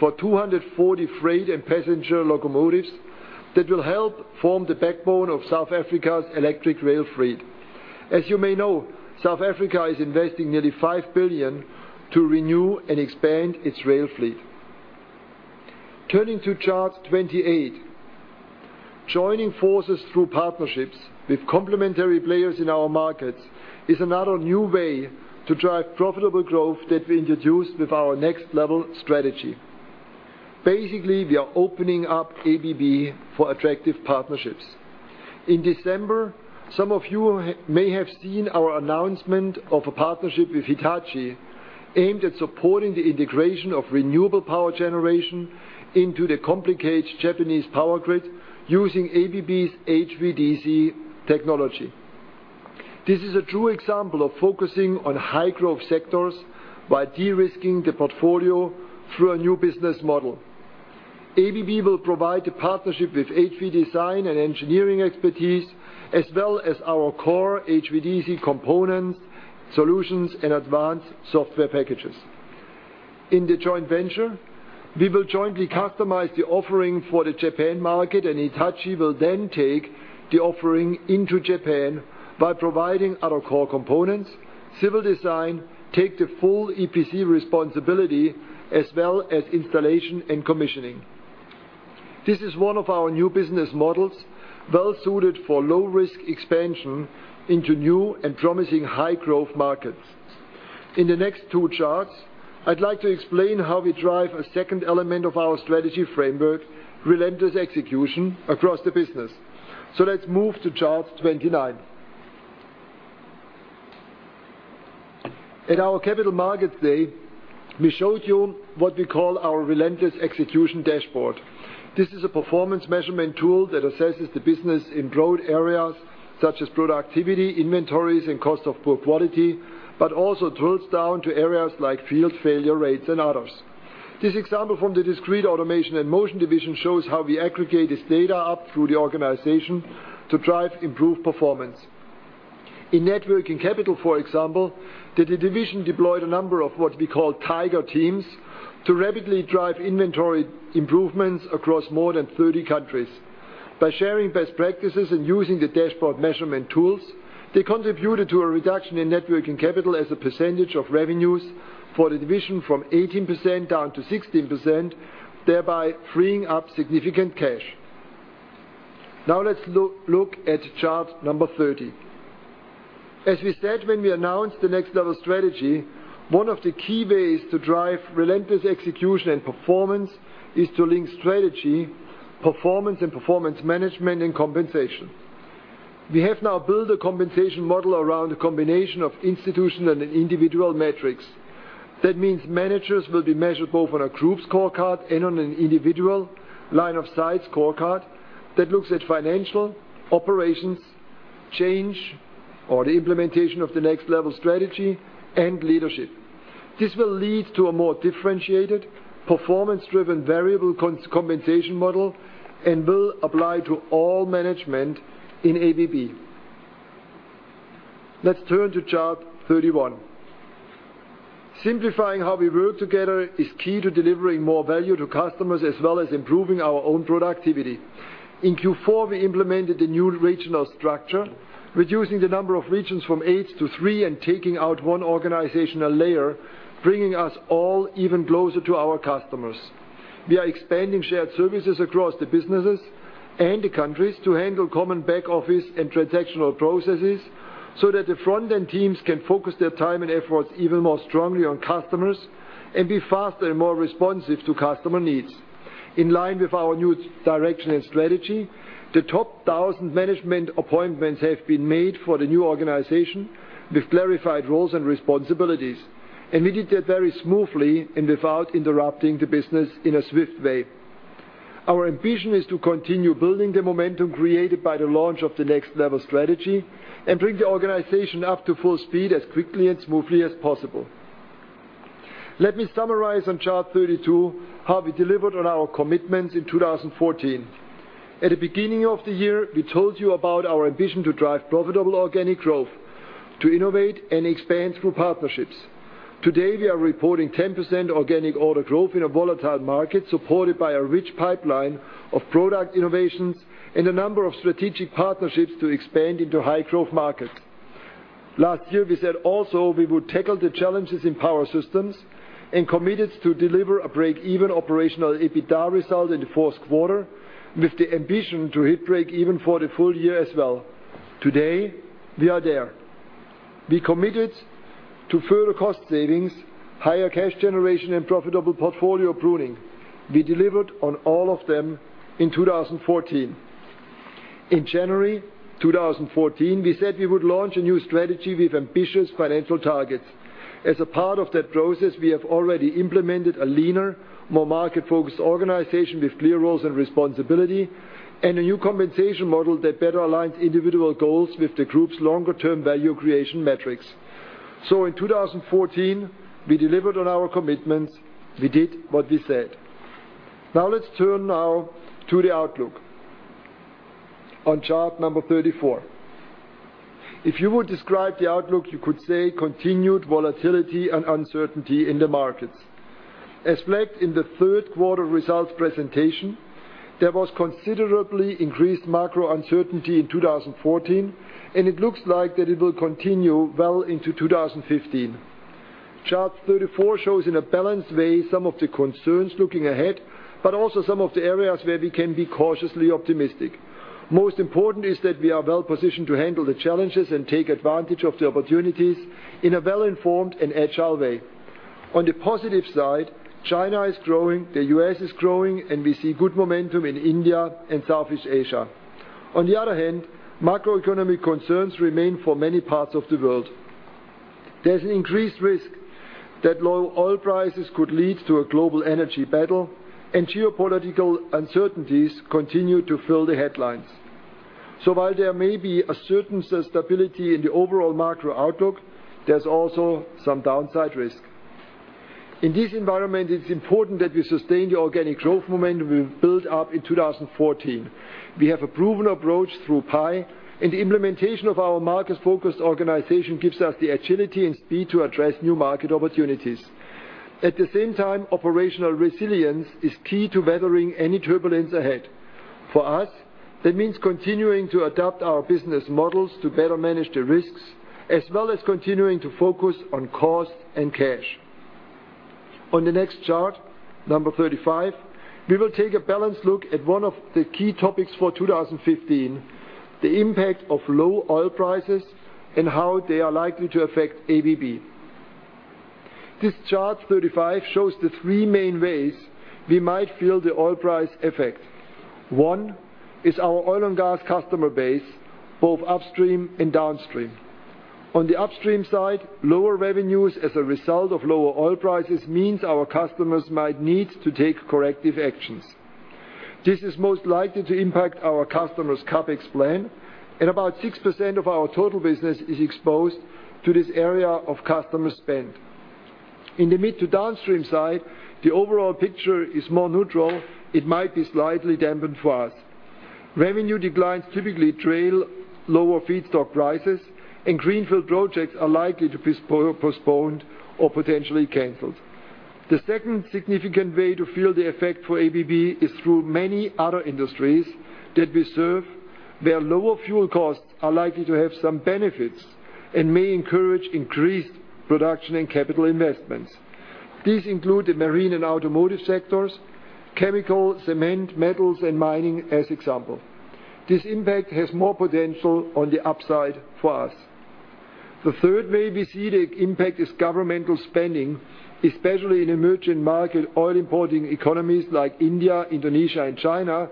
for 240 freight and passenger locomotives that will help form the backbone of South Africa's electric rail fleet. As you may know, South Africa is investing nearly 5 billion to renew and expand its rail fleet. Turning to chart 28. Joining forces through partnerships with complementary players in our markets is another new way to drive profitable growth that we introduced with our Next Level strategy. Basically, we are opening up ABB for attractive partnerships. In December, some of you may have seen our announcement of a partnership with Hitachi aimed at supporting the integration of renewable power generation into the complicated Japanese power grid using ABB's HVDC technology. This is a true example of focusing on high-growth sectors while de-risking the portfolio through a new business model. ABB will provide the partnership with HV design and engineering expertise, as well as our core HVDC components, solutions, and advanced software packages. In the joint venture, we will jointly customize the offering for the Japan market, and Hitachi will then take the offering into Japan by providing other core components, civil design, take the full EPC responsibility, as well as installation and commissioning. This is one of our new business models well suited for low-risk expansion into new and promising high-growth markets. In the next two charts, I'd like to explain how we drive a second element of our strategy framework, relentless execution, across the business. Let's move to chart 29. At our Capital Markets Day, we showed you what we call our relentless execution dashboard. This is a performance measurement tool that assesses the business in broad areas such as productivity, inventories, and cost of poor quality, but also drills down to areas like field failure rates and others. This example from the Discrete Automation and Motion division shows how we aggregate this data up through the organization to drive improved performance. In networking capital, for example, the division deployed a number of what we call Tiger Teams to rapidly drive inventory improvements across more than 30 countries. By sharing best practices and using the dashboard measurement tools, they contributed to a reduction in net working capital as a percentage of revenues for the division from 18% down to 16%, thereby freeing up significant cash. Let's look at chart number 30. As we said when we announced the Next Level strategy, one of the key ways to drive relentless execution and performance is to link strategy, performance and performance management, and compensation. We have now built a compensation model around a combination of institutional and individual metrics. That means managers will be measured both on a group scorecard and on an individual line of sight scorecard that looks at financial, operations, change, or the implementation of the Next Level strategy, and leadership. This will lead to a more differentiated, performance-driven variable compensation model and will apply to all management in ABB. Let's turn to chart 31. Simplifying how we work together is key to delivering more value to customers as well as improving our own productivity. In Q4, we implemented a new regional structure, reducing the number of regions from eight to three and taking out one organizational layer, bringing us all even closer to our customers. We are expanding shared services across the businesses and the countries to handle common back-office and transactional processes so that the front-end teams can focus their time and efforts even more strongly on customers and be faster and more responsive to customer needs. In line with our new direction and strategy, the top 1,000 management appointments have been made for the new organization with clarified roles and responsibilities. We did that very smoothly and without interrupting the business in a swift way. Our ambition is to continue building the momentum created by the launch of the Next Level strategy and bring the organization up to full speed as quickly and smoothly as possible. Let me summarize on chart 32 how we delivered on our commitments in 2014. At the beginning of the year, we told you about our ambition to drive profitable organic growth, to innovate and expand through partnerships. Today, we are reporting 10% organic order growth in a volatile market, supported by a rich pipeline of product innovations and a number of strategic partnerships to expand into high-growth markets. Last year, we said also we would tackle the challenges in Power Systems and committed to deliver a break-even operational EBITDA result in the fourth quarter, with the ambition to hit break even for the full year as well. Today, we are there. We committed to further cost savings, higher cash generation, and profitable portfolio pruning. We delivered on all of them in 2014. In January 2014, we said we would launch a new strategy with ambitious financial targets. As a part of that process, we have already implemented a leaner, more market-focused organization with clear roles and responsibility and a new compensation model that better aligns individual goals with the group's longer-term value creation metrics. In 2014, we delivered on our commitments. We did what we said. Let's turn now to the outlook on chart number 34. If you would describe the outlook, you could say continued volatility and uncertainty in the markets. As flagged in the third quarter results presentation, there was considerably increased macro uncertainty in 2014. It looks like that it will continue well into 2015. Chart 34 shows in a balanced way some of the concerns looking ahead, but also some of the areas where we can be cautiously optimistic. Most important is that we are well positioned to handle the challenges and take advantage of the opportunities in a well-informed and agile way. On the positive side, China is growing, the U.S. is growing, and we see good momentum in India and Southeast Asia. On the other hand, macroeconomic concerns remain for many parts of the world. There's an increased risk that low oil prices could lead to a global energy battle, and geopolitical uncertainties continue to fill the headlines. While there may be a certain stability in the overall macro outlook, there's also some downside risk. In this environment, it's important that we sustain the organic growth momentum we built up in 2014. We have a proven approach through PI, and the implementation of our market-focused organization gives us the agility and speed to address new market opportunities. At the same time, operational resilience is key to weathering any turbulence ahead. For us, that means continuing to adapt our business models to better manage the risks, as well as continuing to focus on cost and cash. On the next chart, number 35, we will take a balanced look at one of the key topics for 2015, the impact of low oil prices and how they are likely to affect ABB. This Chart 35 shows the three main ways we might feel the oil price effect. One is our oil and gas customer base, both upstream and downstream. On the upstream side, lower revenues as a result of lower oil prices means our customers might need to take corrective actions. This is most likely to impact our customers' CapEx plan, and about 6% of our total business is exposed to this area of customer spend. In the mid to downstream side, the overall picture is more neutral. It might be slightly dampened for us. Revenue declines typically trail lower feedstock prices, and greenfield projects are likely to be postponed or potentially canceled. The second significant way to feel the effect for ABB is through many other industries that we serve, where lower fuel costs are likely to have some benefits and may encourage increased production in capital investments. These include the marine and automotive sectors, chemical, cement, metals, and mining as example. This impact has more potential on the upside for us. The third way we see the impact is governmental spending, especially in emerging market oil importing economies like India, Indonesia, and China,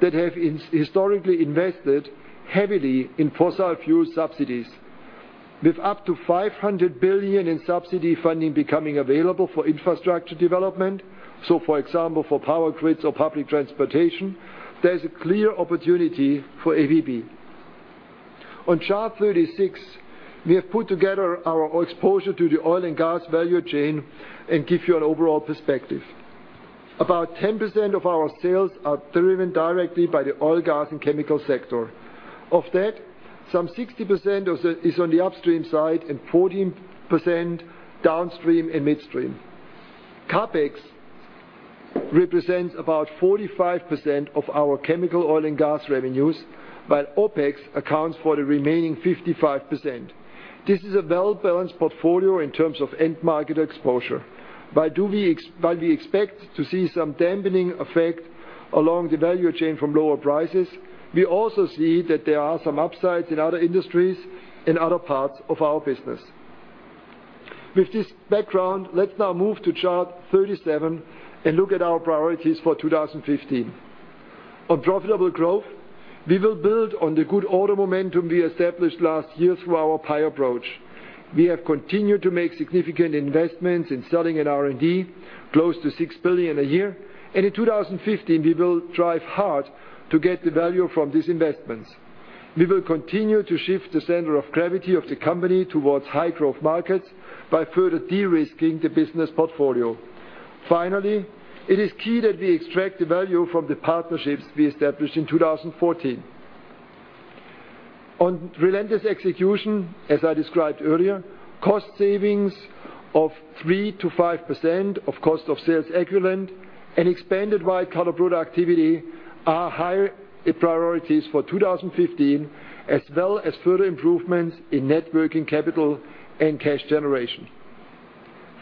that have historically invested heavily in fossil fuel subsidies. With up to $500 billion in subsidy funding becoming available for infrastructure development, for example, for power grids or public transportation, there's a clear opportunity for ABB. On Chart 36, we have put together our exposure to the oil and gas value chain and give you an overall perspective. About 10% of our sales are driven directly by the oil, gas, and chemical sector. Of that, some 60% is on the upstream side and 14% downstream and midstream. CapEx represents about 45% of our chemical oil and gas revenues, while OpEx accounts for the remaining 55%. This is a well-balanced portfolio in terms of end market exposure. While we expect to see some dampening effect along the value chain from lower prices, we also see that there are some upsides in other industries and other parts of our business. With this background, let's now move to Chart 37 and look at our priorities for 2015. On profitable growth, we will build on the good order momentum we established last year through our PI approach. We have continued to make significant investments in selling and R&D, close to 6 billion a year. In 2015, we will drive hard to get the value from these investments. We will continue to shift the center of gravity of the company towards high growth markets by further de-risking the business portfolio. Finally, it is key that we extract the value from the partnerships we established in 2014. On relentless execution, as I described earlier, cost savings of 3%-5% of cost of sales equivalent and expanded white-collar productivity are higher priorities for 2015, as well as further improvements in net working capital and cash generation.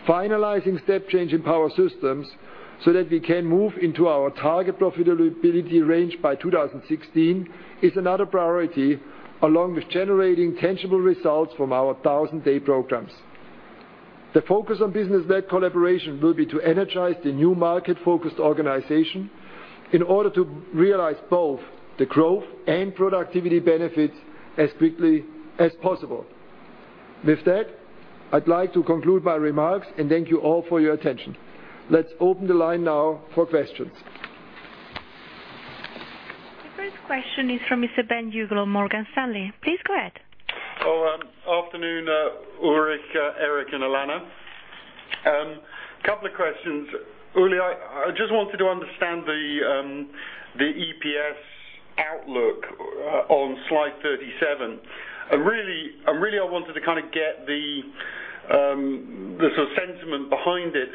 Finalizing step change in Power Systems so that we can move into our target profitability range by 2016 is another priority, along with generating tangible results from our Thousand Day programs. The focus on business led collaboration will be to energize the new market-focused organization in order to realize both the growth and productivity benefits as quickly as possible. With that, I'd like to conclude my remarks and thank you all for your attention. Let's open the line now for questions. The first question is from Mr. Ben Uglow of Morgan Stanley. Please go ahead. Hello. Afternoon, Ulrich, Eric, and Alana. Couple of questions. Uli, I just wanted to understand the EPS outlook on Slide 37. Really, I wanted to get the sort of sentiment behind it.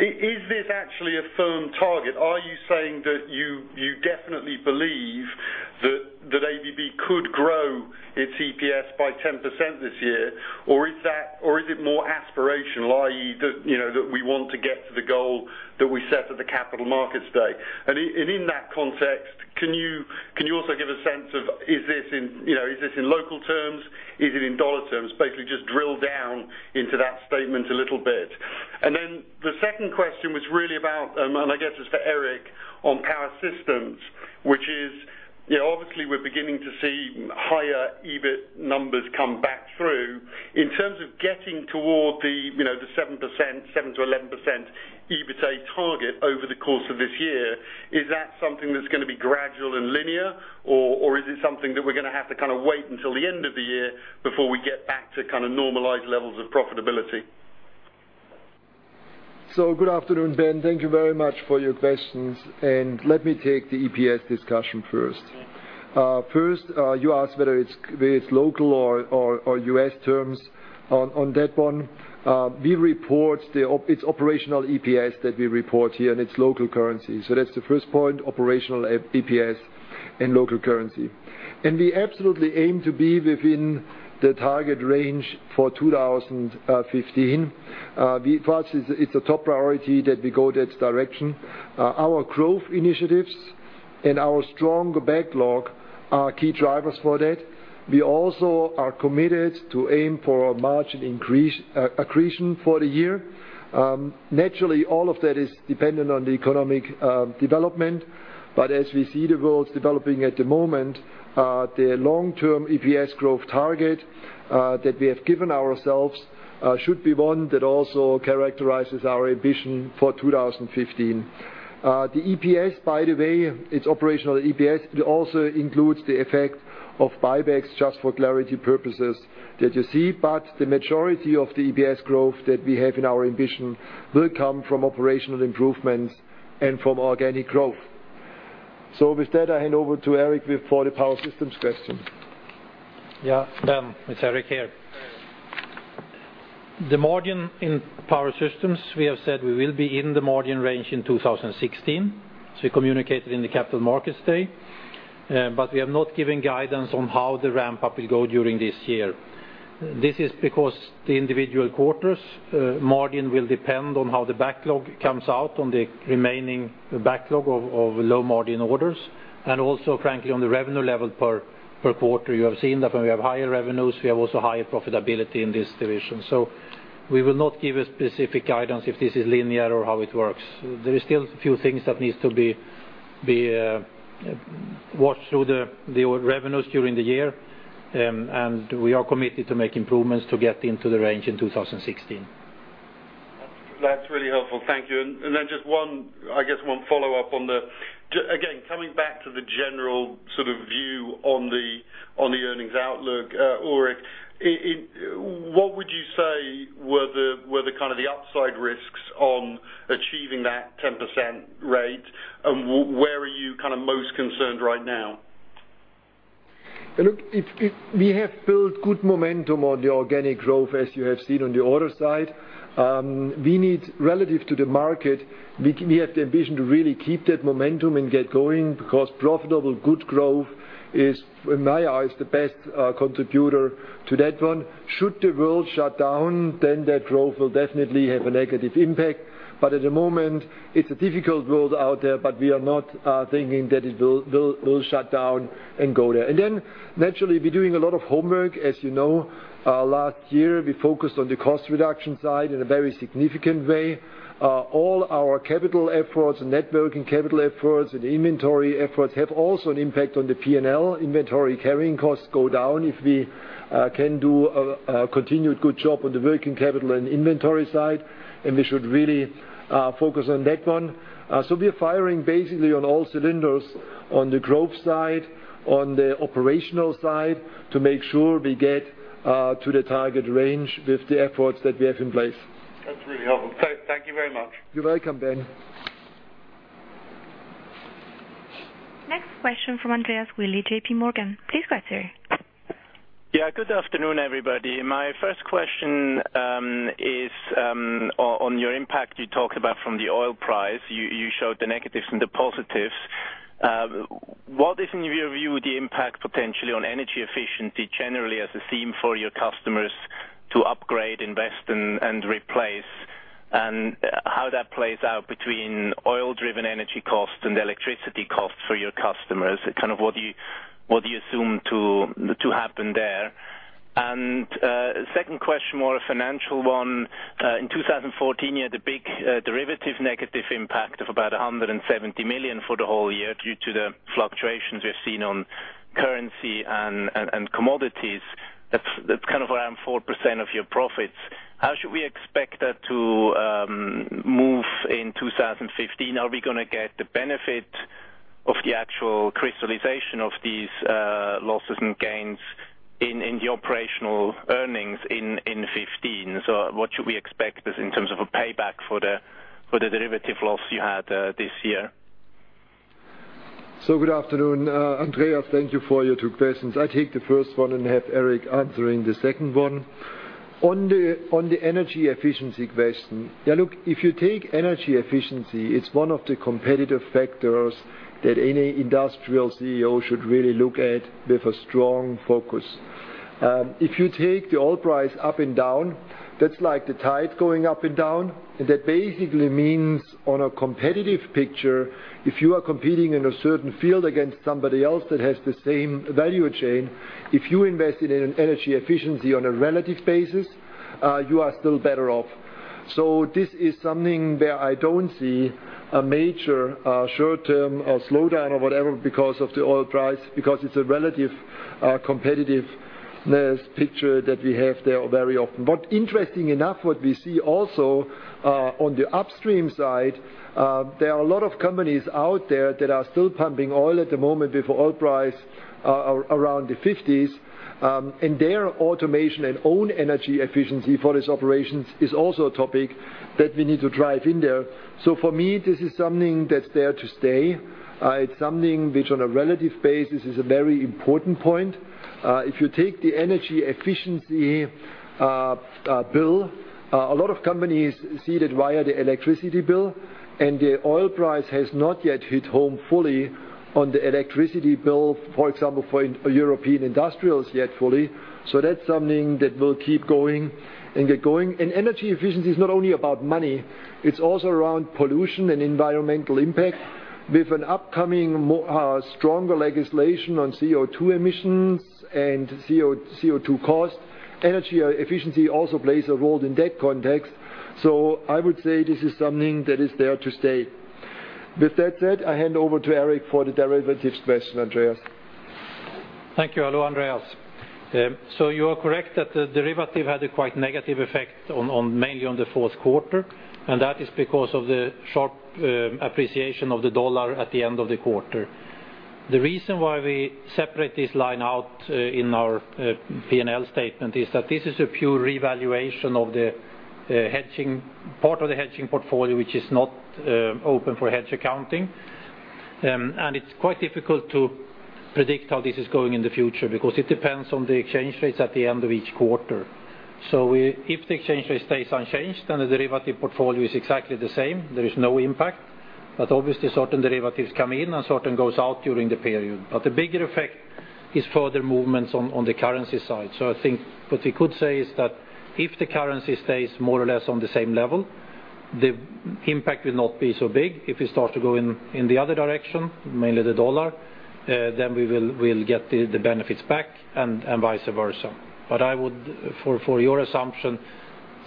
Is this actually a firm target? Are you saying that you definitely believe that ABB could grow its EPS by 10% this year, or is it more aspirational, i.e., that we want to get to the goal that we set at the Capital Markets Day? In that context, can you also give a sense of, is this in local terms? Is it in dollar terms? Basically, just drill down into that statement a little bit. The second question was really about, and I guess it's for Eric, on Power Systems, which is, obviously we're beginning to see higher EBIT numbers come back through. In terms of getting toward the 7%-11% EBITA target over the course of this year, is that something that's going to be gradual and linear, or is it something that we're going to have to wait until the end of the year before we get back to normalized levels of profitability? Good afternoon, Ben. Thank you very much for your questions, let me take the EPS discussion first. First, you asked whether it's local or U.S. terms. On that one, it's operational EPS that we report here, it's local currency. That's the first point, operational EPS in local currency. We absolutely aim to be within the target range for 2015. For us, it's a top priority that we go that direction. Our growth initiatives and our strong backlog are key drivers for that. We also are committed to aim for a margin accretion for the year. Naturally, all of that is dependent on the economic development. As we see the world developing at the moment, the long-term EPS growth target that we have given ourselves should be one that also characterizes our ambition for 2015. The EPS, by the way, it's operational EPS. It also includes the effect of buybacks, just for clarity purposes that you see. The majority of the EPS growth that we have in our ambition will come from operational improvements and from organic growth. With that, I hand over to Eric for the Power Systems question. It's Eric here. The margin in Power Systems, we have said we will be in the margin range in 2016. We communicated in the Capital Markets Day, we have not given guidance on how the ramp-up will go during this year. This is because the individual quarters' margin will depend on how the backlog comes out on the remaining backlog of low-margin orders, also, frankly, on the revenue level per quarter. You have seen that when we have higher revenues, we have also higher profitability in this division. We will not give a specific guidance if this is linear or how it works. There is still a few things that needs to be watched through the revenues during the year, we are committed to make improvements to get into the range in 2016. That's really helpful. Thank you. Just, I guess, one follow-up. Again, coming back to the general view on the earnings outlook. Ulrich, what would you say were the upside risks on achieving that 10% rate, and where are you most concerned right now? Look, we have built good momentum on the organic growth, as you have seen on the order side. Relative to the market, we have the ambition to really keep that momentum and get going because profitable, good growth is, in my eyes, the best contributor to that one. Should the world shut down, that growth will definitely have a negative impact. At the moment, it's a difficult world out there, but we are not thinking that it will shut down and go there. Naturally, we're doing a lot of homework. As you know, last year, we focused on the cost reduction side in a very significant way. All our capital efforts, networking capital efforts, and inventory efforts have also an impact on the P&L. Inventory carrying costs go down if we can do a continued good job on the working capital and inventory side, we should really focus on that one. We're firing basically on all cylinders on the growth side, on the operational side, to make sure we get to the target range with the efforts that we have in place. That's really helpful. Thank you very much. You're welcome, Ben. Next question from Andreas Willi, JPMorgan. Please go ahead, sir. Good afternoon, everybody. My first question is on your impact you talked about from the oil price. You showed the negatives and the positives. What is, in your view, the impact potentially on energy efficiency generally as a theme for your customers to upgrade, invest, and replace, and how that plays out between oil-driven energy costs and electricity costs for your customers? What do you assume to happen there? Second question, more a financial one. In 2014, you had a big derivative negative impact of about $170 million for the whole year due to the fluctuations we've seen on currency and commodities. That's around 4% of your profits. How should we expect that to move in 2015? Are we going to get the benefit of the actual crystallization of these losses and gains in the operational earnings in 2015? What should we expect in terms of a payback for the derivative loss you had this year? Good afternoon, Andreas. Thank you for your two questions. I'll take the first one and have Eric answering the second one. On the energy efficiency question. Look, if you take energy efficiency, it's one of the competitive factors that any industrial CEO should really look at with a strong focus. If you take the oil price up and down, that's like the tide going up and down. That basically means on a competitive picture, if you are competing in a certain field against somebody else that has the same value chain, if you invested in energy efficiency on a relative basis, you are still better off. This is something where I don't see a major short-term slowdown or whatever because of the oil price, because it's a relative competitive picture that we have there very often. Interesting enough, what we see also on the upstream side, there are a lot of companies out there that are still pumping oil at the moment with oil price around the $50s. Their automation and own energy efficiency for these operations is also a topic that we need to drive in there. For me, this is something that's there to stay. It's something which on a relative basis is a very important point. If you take the energy efficiency bill, a lot of companies see that via the electricity bill, the oil price has not yet hit home fully on the electricity bill, for example, for European industrials yet fully. That's something that will keep going and get going. Energy efficiency is not only about money, it's also around pollution and environmental impact with an upcoming stronger legislation on CO2 emissions and CO2 cost. Energy efficiency also plays a role in that context. I would say this is something that is there to stay. With that said, I hand over to Eric for the derivatives question, Andreas. Thank you. Hello, Andreas. You are correct that the derivative had a quite negative effect mainly on the fourth quarter, and that is because of the sharp appreciation of the dollar at the end of the quarter. The reason why we separate this line out in our P&L statement is that this is a pure revaluation of part of the hedging portfolio, which is not open for hedge accounting. It's quite difficult to predict how this is going in the future because it depends on the exchange rates at the end of each quarter. If the exchange rate stays unchanged, the derivative portfolio is exactly the same. There is no impact, but obviously certain derivatives come in and certain goes out during the period. The bigger effect is further movements on the currency side. I think what we could say is that if the currency stays more or less on the same level, the impact will not be so big. If we start to go in the other direction, mainly the dollar, then we will get the benefits back and vice versa. I would, for your assumption,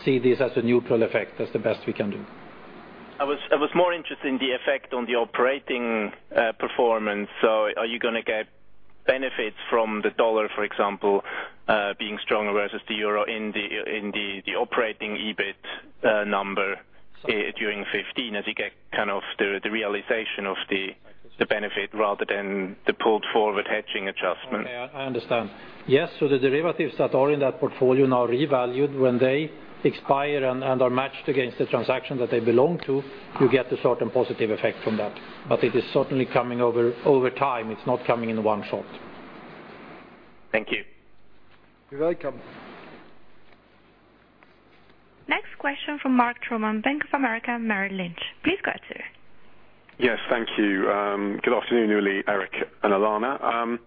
see this as a neutral effect, as the best we can do. I was more interested in the effect on the operating performance. Are you going to get benefits from the dollar, for example, being stronger versus the euro in the operating EBIT number during 2015 as you get kind of the realization of the benefit rather than the pulled forward hedging adjustment? Okay, I understand. Yes, the derivatives that are in that portfolio now revalued when they expire and are matched against the transaction that they belong to, you get a certain positive effect from that. It is certainly coming over time. It is not coming in one shot. Thank you. You're welcome. Next question from Mark Troman, Bank of America Merrill Lynch. Please go ahead, sir. Yes, thank you. Good afternoon, Ulrich, Eric, and Alana.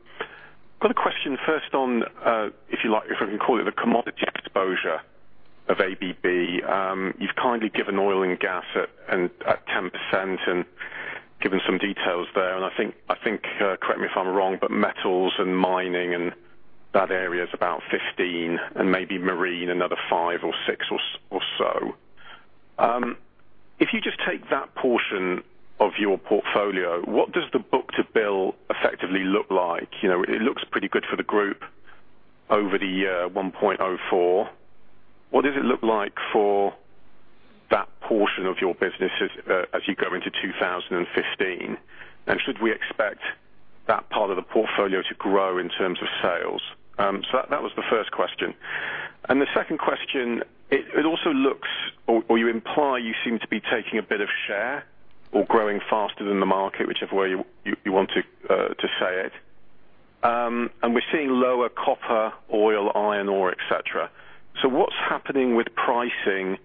Got a question first on, if you like, if I can call it the commodity exposure of ABB. You've kindly given oil and gas at 10% and given some details there, and I think, correct me if I'm wrong, but metals and mining and that area is about 15% and maybe marine another 5% or 6% or so. If you just take that portion of your portfolio, what does the book-to-bill effectively look like? It looks pretty good for the group over the year, 1.04. What does it look like for that portion of your businesses as you go into 2015? Should we expect that part of the portfolio to grow in terms of sales? That was the first question. The second question, it also looks, or you imply you seem to be taking a bit of share or growing faster than the market, whichever way you want to say it. We're seeing lower copper, oil, iron ore, et cetera. What's happening with pricing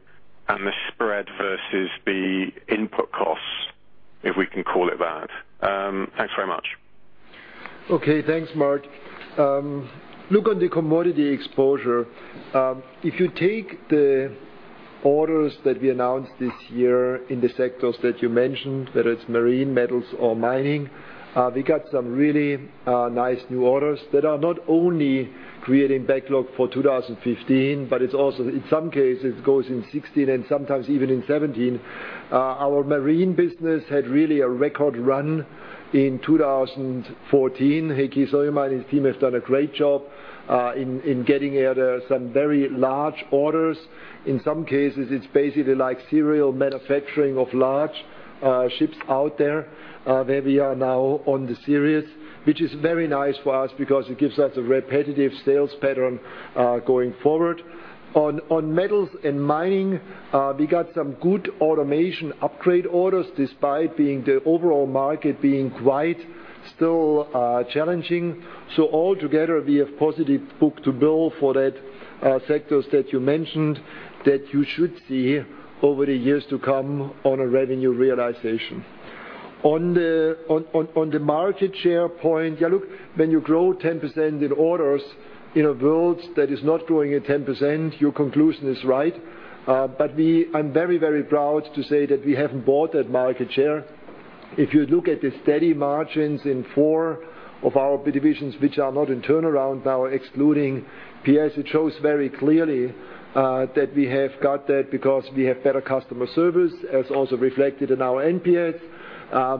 and the spread versus the input costs, if we can call it that? Thanks very much. Thanks, Mark. On the commodity exposure. If you take the orders that we announced this year in the sectors that you mentioned, whether it's marine, metals or mining, we got some really nice new orders that are not only creating backlog for 2015, but it's also, in some cases, goes in 2016 and sometimes even in 2017. Our marine business had really a record run in 2014. Heikki Salminen and his team have done a great job in getting some very large orders. In some cases, it's basically like serial manufacturing of large ships out there, where we are now on the series, which is very nice for us because it gives us a repetitive sales pattern going forward. On metals and mining, we got some good automation upgrade orders despite the overall market being quite still challenging. Altogether, we have positive book-to-bill for that sectors that you mentioned that you should see over the years to come on a revenue realization. On the market share point, when you grow 10% in orders in a world that is not growing at 10%, your conclusion is right. I'm very, very proud to say that we haven't bought that market share If you look at the steady margins in four of our divisions, which are not in turnaround now, excluding PS, it shows very clearly that we have got that because we have better customer service. As also reflected in our NPS,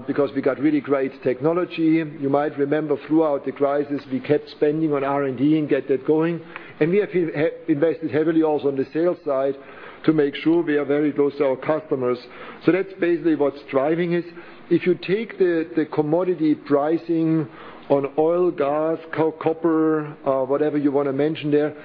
because we got really great technology. You might remember throughout the crisis, we kept spending on R&D and get that going. We have invested heavily also on the sales side to make sure we are very close to our customers. That's basically what's driving it. If you take the commodity pricing on oil, gas, copper, whatever you want to mention there.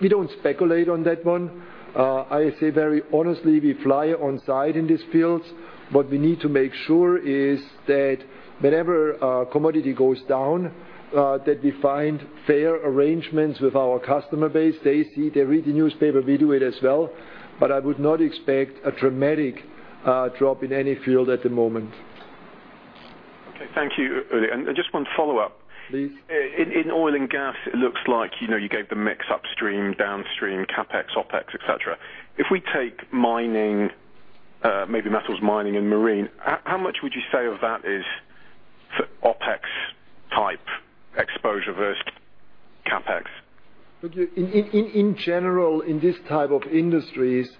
We don't speculate on that one. I say very honestly, we fly on side in these fields. What we need to make sure is that whenever a commodity goes down, that we find fair arrangements with our customer base. They see, they read the newspaper, we do it as well. I would not expect a dramatic drop in any field at the moment. Okay. Thank you, Ulrich. Just one follow-up. Please. In oil and gas, it looks like you gave the mix upstream, downstream, CapEx, OpEx, et cetera. If we take mining, maybe metals mining and marine, how much would you say of that is OpEx type exposure versus CapEx? Look, in general, in this type of industries,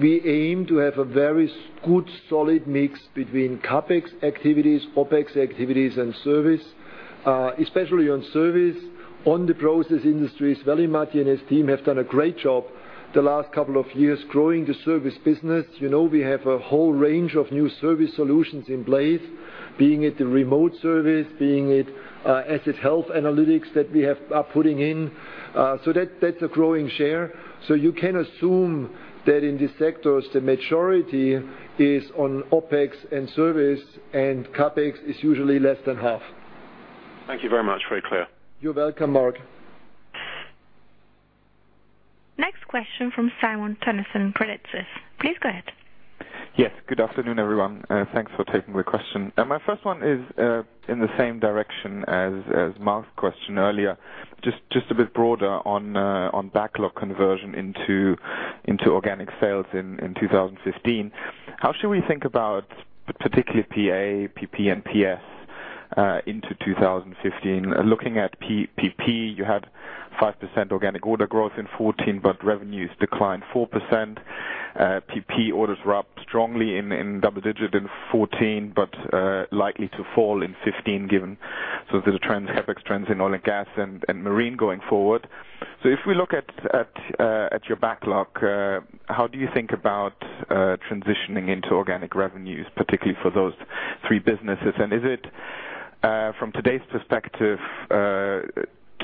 we aim to have a very good solid mix between CapEx activities, OpEx activities, and service. Especially on service, on the process industries, Veli-Matti and his team have done a great job the last couple of years growing the service business. We have a whole range of new service solutions in place. Being it the remote service, being it asset health analytics that we are putting in. That's a growing share. You can assume that in these sectors, the majority is on OpEx and service, and CapEx is usually less than half. Thank you very much. Very clear. You're welcome, Mark. Next question from Simon Toennessen, Credit Suisse. Please go ahead. Yes. Good afternoon, everyone. Thanks for taking the question. My first one is in the same direction as Mark's question earlier, just a bit broader on backlog conversion into organic sales in 2015. How should we think about, particularly PA, PP, and PS into 2015? Looking at PP, you had 5% organic order growth in 2014, but revenues declined 4%. PP orders were up strongly in double digit in 2014, but likely to fall in 2015 given. There's CapEx trends in oil and gas and marine going forward. If we look at your backlog, how do you think about transitioning into organic revenues, particularly for those three businesses? And is it, from today's perspective,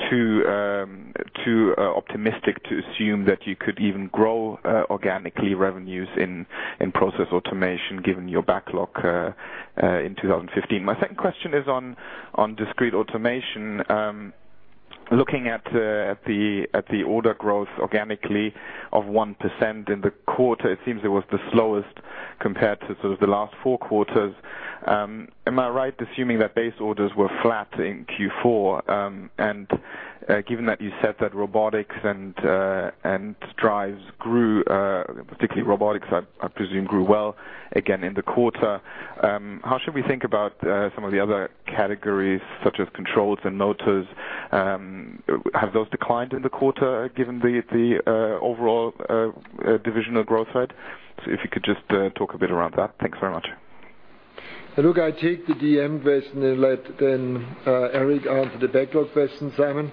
too optimistic to assume that you could even grow organically revenues in Process Automation given your backlog in 2015? My second question is on Discrete Automation. Looking at the order growth organically of 1% in the quarter, it seems it was the slowest compared to sort of the last four quarters. Am I right assuming that base orders were flat in Q4? Given that you said that robotics and drives grew, particularly robotics, I presume grew well again in the quarter. How should we think about some of the other categories such as controls and motors? Have those declined in the quarter given the overall divisional growth side? If you could just talk a bit around that. Thanks very much. Look, I take the DM question and let then Eric answer the backlog question, Simon.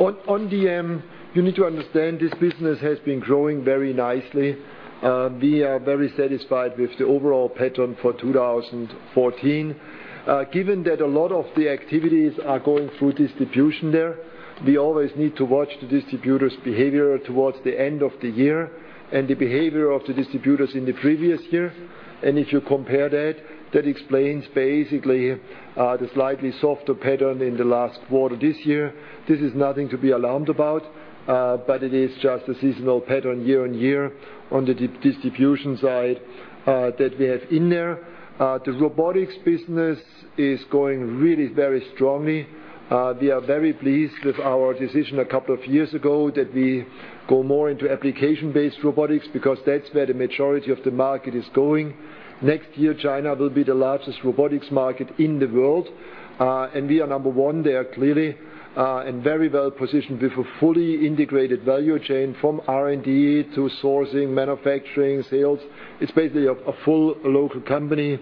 On DM, you need to understand this business has been growing very nicely. We are very satisfied with the overall pattern for 2014. Given that a lot of the activities are going through distribution there, we always need to watch the distributor's behavior towards the end of the year, and the behavior of the distributors in the previous year. If you compare that explains basically the slightly softer pattern in the last quarter this year. This is nothing to be alarmed about. It is just a seasonal pattern year-over-year on the distribution side that we have in there. The robotics business is going really very strongly. We are very pleased with our decision a couple of years ago that we go more into application-based robotics, because that's where the majority of the market is going. Next year, China will be the largest robotics market in the world. We are number one there clearly, and very well positioned with a fully integrated value chain from R&D to sourcing, manufacturing, sales. It's basically a full local company,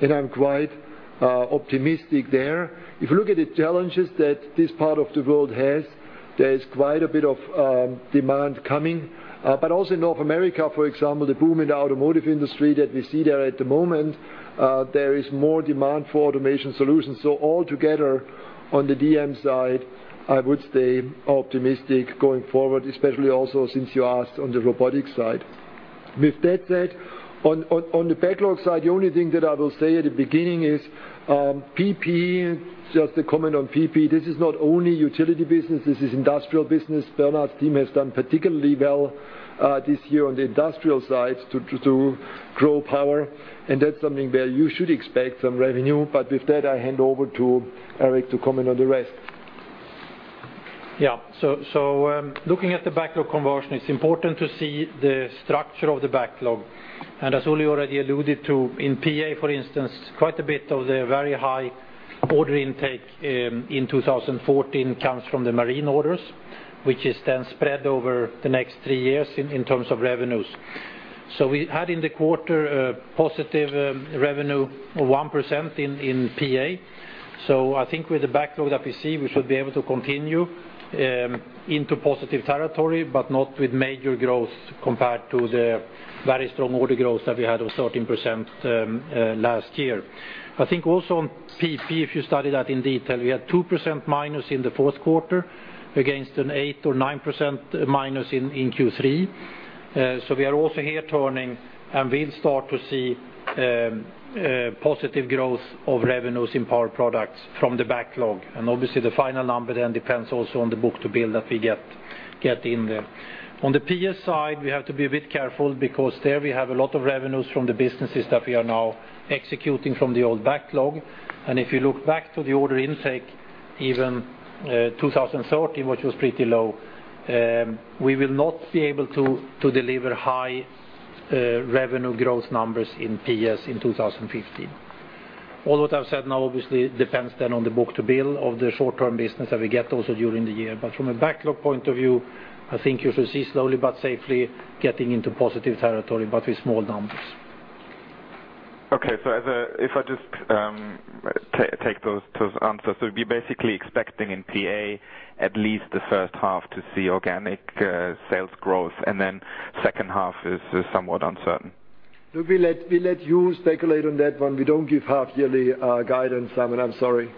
and I'm quite optimistic there. If you look at the challenges that this part of the world has, there is quite a bit of demand coming. Also in North America, for example, the boom in the automotive industry that we see there at the moment, there is more demand for automation solutions. Altogether on the DM side, I would stay optimistic going forward, especially also since you asked on the robotics side. With that said, on the backlog side, the only thing that I will say at the beginning is PP, just a comment on PP. This is not only utility business, this is industrial business. Bernhard's team has done particularly well this year on the industrial side to grow power, and that's something where you should expect some revenue. With that, I hand over to Eric to comment on the rest. Looking at the backlog conversion, it's important to see the structure of the backlog. As Ulrich already alluded to, in PA, for instance, quite a bit of the very high order intake in 2014 comes from the marine orders, which is then spread over the next three years in terms of revenues. We had in the quarter a positive revenue of 1% in PA. I think with the backlog that we see, we should be able to continue into positive territory, but not with major growth compared to the very strong order growth that we had of 13% last year. I think also on PP, if you study that in detail, we had 2% minus in the fourth quarter against an 8% or 9% minus in Q3. We are also here turning, and we'll start to see positive growth of revenues in Power Products from the backlog. Obviously the final number then depends also on the book-to-bill that we get in there. On the PS side, we have to be a bit careful because there we have a lot of revenues from the businesses that we are now executing from the old backlog. If you look back to the order intake, even 2013, which was pretty low, we will not be able to deliver high revenue growth numbers in PS in 2015. All that I've said now obviously depends then on the book-to-bill of the short-term business that we get also during the year. From a backlog point of view, I think you should see slowly but safely getting into positive territory, but with small numbers. Okay. If I just take those answers. We'd be basically expecting in PA at least the first half to see organic sales growth, and then second half is somewhat uncertain. We let you speculate on that one. We don't give half-yearly guidance, Simon, I'm sorry.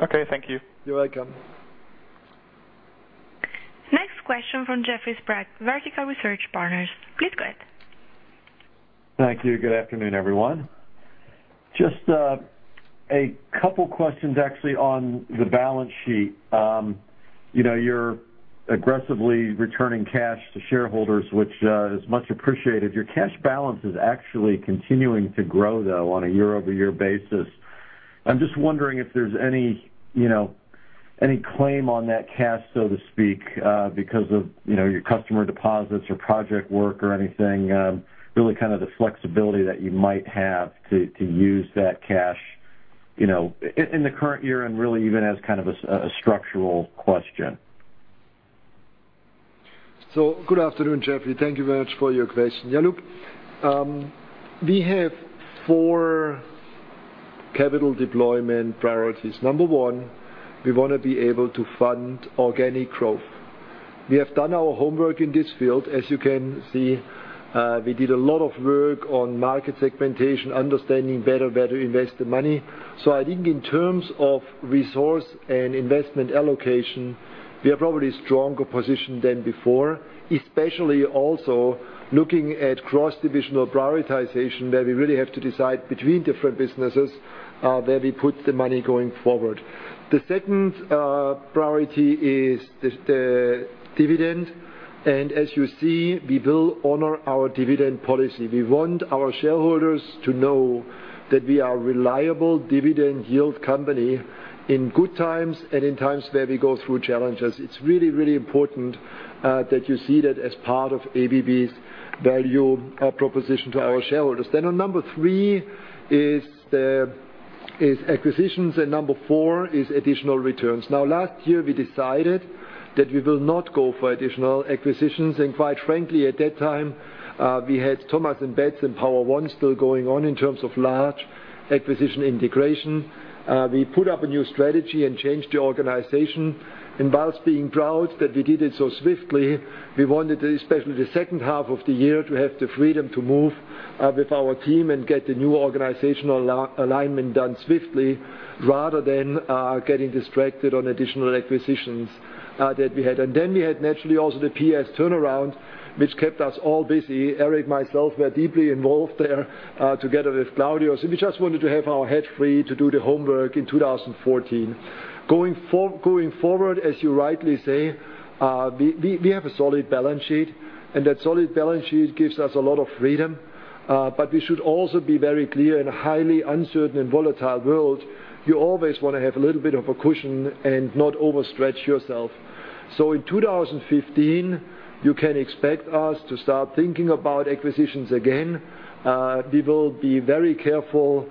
Okay. Thank you. You're welcome. Next question from Jeffrey Sprague, Vertical Research Partners. Please go ahead. Thank you. Good afternoon, everyone. Just a couple questions actually on the balance sheet. You're aggressively returning cash to shareholders, which is much appreciated. Your cash balance is actually continuing to grow, though, on a year-over-year basis. I'm just wondering if there's any claim on that cash, so to speak because of your customer deposits or project work or anything, really kind of the flexibility that you might have to use that cash in the current year and really even as kind of a structural question. Good afternoon, Jeffrey. Thank you very much for your question. Look. We have four capital deployment priorities. Number one, we want to be able to fund organic growth. We have done our homework in this field. As you can see, we did a lot of work on market segmentation, understanding better where to invest the money. I think in terms of resource and investment allocation, we are probably stronger positioned than before, especially also looking at cross-divisional prioritization, where we really have to decide between different businesses, where we put the money going forward. The second priority is the dividend. As you see, we will honor our dividend policy. We want our shareholders to know that we are reliable dividend yield company in good times and in times where we go through challenges. It's really, really important that you see that as part of ABB's value proposition to our shareholders. Then on number three is acquisitions, and number four is additional returns. Last year, we decided that we will not go for additional acquisitions. Quite frankly, at that time, we had Thomas & Betts and Power-One still going on in terms of large acquisition integration. We put up a new strategy and changed the organization. Whilst being proud that we did it so swiftly, we wanted, especially the second half of the year, to have the freedom to move with our team and get the new organizational alignment done swiftly rather than getting distracted on additional acquisitions that we had. Then we had naturally also the PS turnaround, which kept us all busy. Ulrich, myself, were deeply involved there, together with Claudio. We just wanted to have our head free to do the homework in 2014. As you rightly say, we have a solid balance sheet, and that solid balance sheet gives us a lot of freedom. We should also be very clear in a highly uncertain and volatile world, you always want to have a little bit of a cushion and not overstretch yourself. In 2015, you can expect us to start thinking about acquisitions again. We will be very careful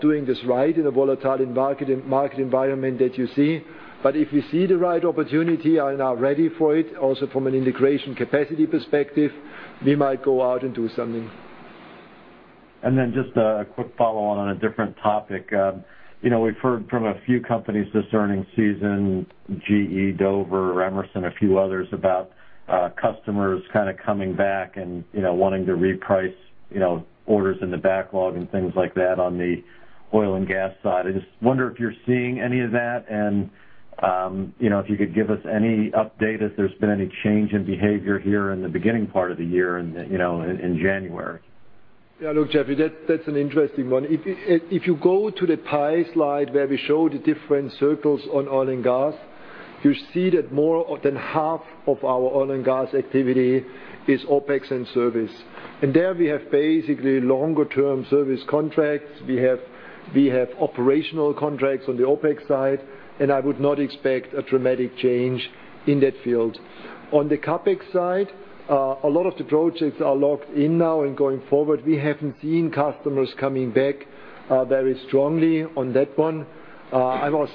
doing this right in a volatile market environment that you see. If we see the right opportunity and are ready for it, also from an integration capacity perspective, we might go out and do something. Just a quick follow on a different topic. We've heard from a few companies this earning season, GE, Dover, Emerson, a few others, about customers kind of coming back and wanting to reprice orders in the backlog and things like that on the oil and gas side. I just wonder if you're seeing any of that and if you could give us any update if there's been any change in behavior here in the beginning part of the year in January. Jeffrey, that's an interesting one. If you go to the PIE slide where we show the different circles on oil and gas, you see that more than half of our oil and gas activity is OpEx and service. There we have basically longer term service contracts. We have operational contracts on the OpEx side, and I would not expect a dramatic change in that field. On the CapEx side, a lot of the projects are locked in now and going forward. We haven't seen customers coming back very strongly on that one. I was,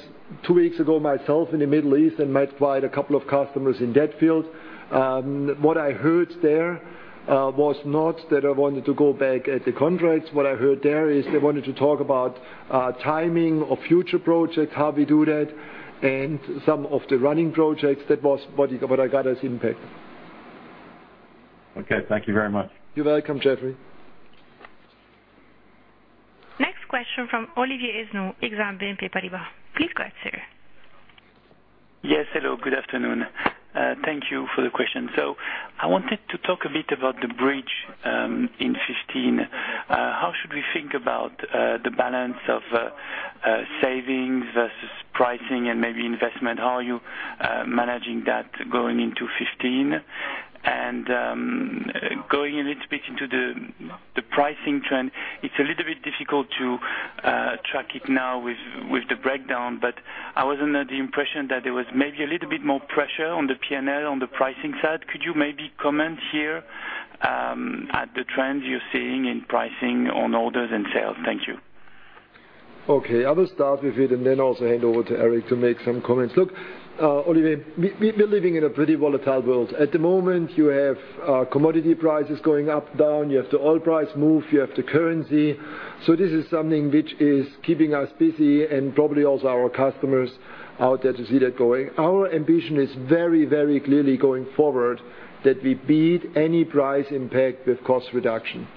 two weeks ago, myself, in the Middle East and met quite a couple of customers in that field. What I heard there was not that I wanted to go back at the contracts. What I heard there is they wanted to talk about timing of future projects, how we do that, and some of the running projects. That was what I got as impact. Okay. Thank you very much. You're welcome, Jeffrey. Next question from Olivier Esnou, Exane BNP Paribas. Please go ahead, sir. Yes. Hello, good afternoon. Thank you for the question. I wanted to talk a bit about the bridge in 2015. How should we think about the balance of savings versus pricing and maybe investment? How are you managing that going into 2015? Going a little bit into the pricing trend, it's a little bit difficult to track it now with the breakdown, but I was under the impression that there was maybe a little bit more pressure on the P&L on the pricing side. Could you maybe comment here at the trends you're seeing in pricing on orders and sales? Thank you. I will start with it and then also hand over to Eric to make some comments. Olivier, we're living in a pretty volatile world. At the moment, you have commodity prices going up, down. You have the oil price move. You have the currency. This is something which is keeping us busy and probably also our customers out there to see that going. Our ambition is very, very clearly going forward that we beat any price impact with cost reduction.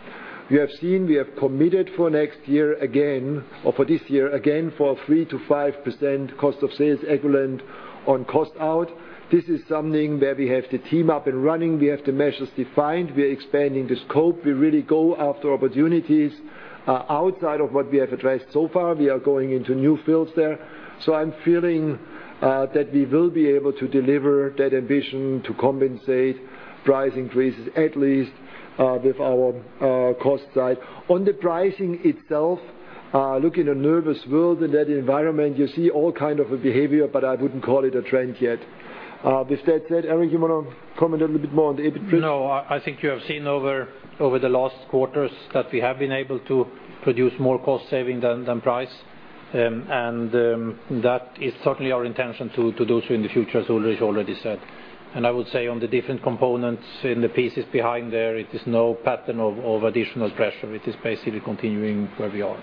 You have seen we have committed for this year again for 3%-5% cost of sales equivalent on cost out. This is something where we have the team up and running. We have the measures defined. We are expanding the scope. We really go after opportunities outside of what we have addressed so far. We are going into new fields there. I'm feeling that we will be able to deliver that ambition to compensate price increases, at least with our cost side. On the pricing itself, in a nervous world, in that environment, you see all kind of a behavior, but I wouldn't call it a trend yet. With that said, Eric, you want to comment a little bit more on the EBIT trend? No, I think you have seen over the last quarters that we have been able to produce more cost saving than price. That is certainly our intention to do so in the future, as Ulrich already said. I would say on the different components in the pieces behind there, it is no pattern of additional pressure. It is basically continuing where we are.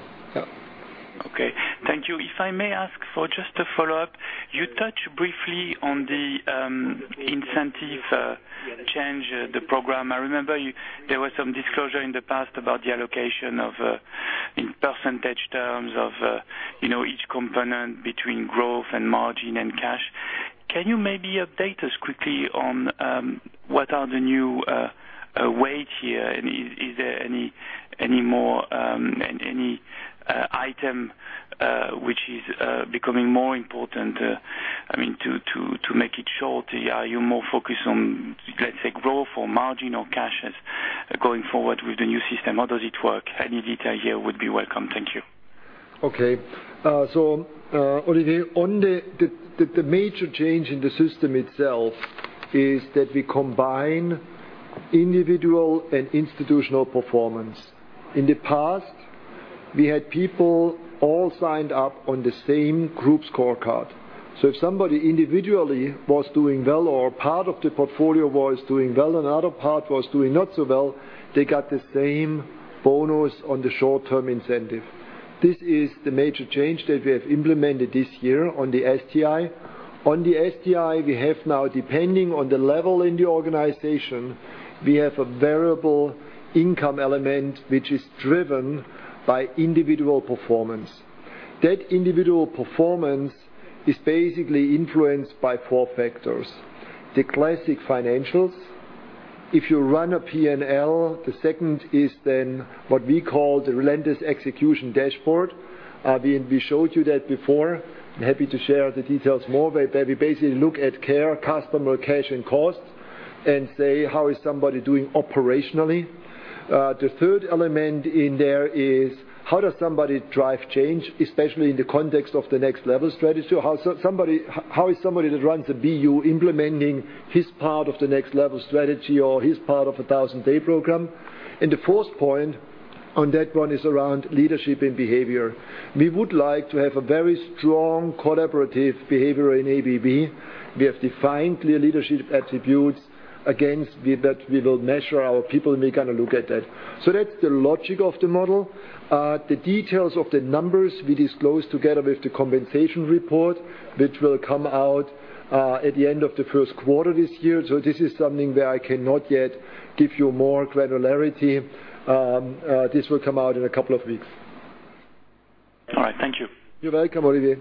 Yeah. Okay. Thank you. If I may ask for just a follow-up. You touched briefly on the incentive change, the program. I remember there was some disclosure in the past about the allocation in percentage terms of each component between growth and margin and cash. Can you maybe update us quickly on what are the new weight here? Is there any item which is becoming more important? To make it short, are you more focused on, let's say, growth or margin or cash going forward with the new system? How does it work? Any detail here would be welcome. Thank you. Okay. Olivier, the major change in the system itself is that we combine individual and institutional performance. In the past, we had people all signed up on the same group scorecard. If somebody individually was doing well or part of the portfolio was doing well and another part was doing not so well, they got the same bonus on the short-term incentive. This is the major change that we have implemented this year on the STI. On the STI, we have now, depending on the level in the organization, we have a variable income element which is driven by individual performance. That individual performance is basically influenced by four factors. The classic financials. If you run a P&L. The second is what we call the relentless execution dashboard. We showed you that before. I'm happy to share the details more. We basically look at CARE, customer, cash, and cost, and say, how is somebody doing operationally? The third element in there is how does somebody drive change, especially in the context of the Next Level strategy? How is somebody that runs a BU implementing his part of the Next Level strategy or his part of a Thousand Day program? The fourth point on that one is around leadership and behavior. We would like to have a very strong collaborative behavior in ABB. We have defined clear leadership attributes against that we will measure our people, and we're going to look at that. That's the logic of the model. The details of the numbers we disclose together with the compensation report, which will come out at the end of the first quarter this year. This is something where I cannot yet give you more granularity. This will come out in a couple of weeks. All right. Thank you. You're welcome, Olivier.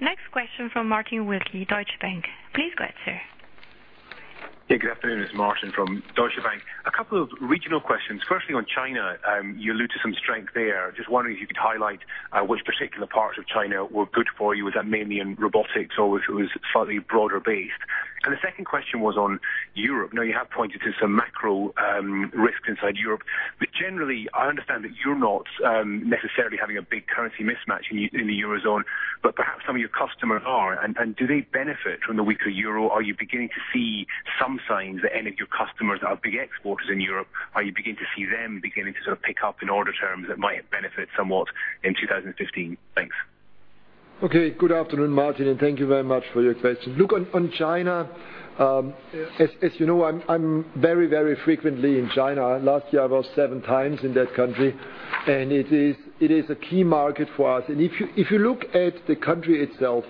Next question from Martin Wilkie, Deutsche Bank. Please go ahead, sir. Yeah, good afternoon. It's Martin from Deutsche Bank. A couple of regional questions. Firstly, on China, you alluded some strength there. Just wondering if you could highlight which particular parts of China were good for you. Was that mainly in robotics or was it slightly broader based? The second question was on Europe. Now, you have pointed to some macro risks inside Europe. Generally, I understand that you're not necessarily having a big currency mismatch in the eurozone, but perhaps some of your customers are. Do they benefit from the weaker euro? Are you beginning to see some signs that any of your customers that are big exporters in Europe, are you beginning to see them sort of pick up in order terms that might benefit somewhat in 2015? Thanks. Okay. Good afternoon, Martin, and thank you very much for your question. Look, on China, as you know, I'm very frequently in China. Last year, I was seven times in that country, and it is a key market for us. If you look at the country itself,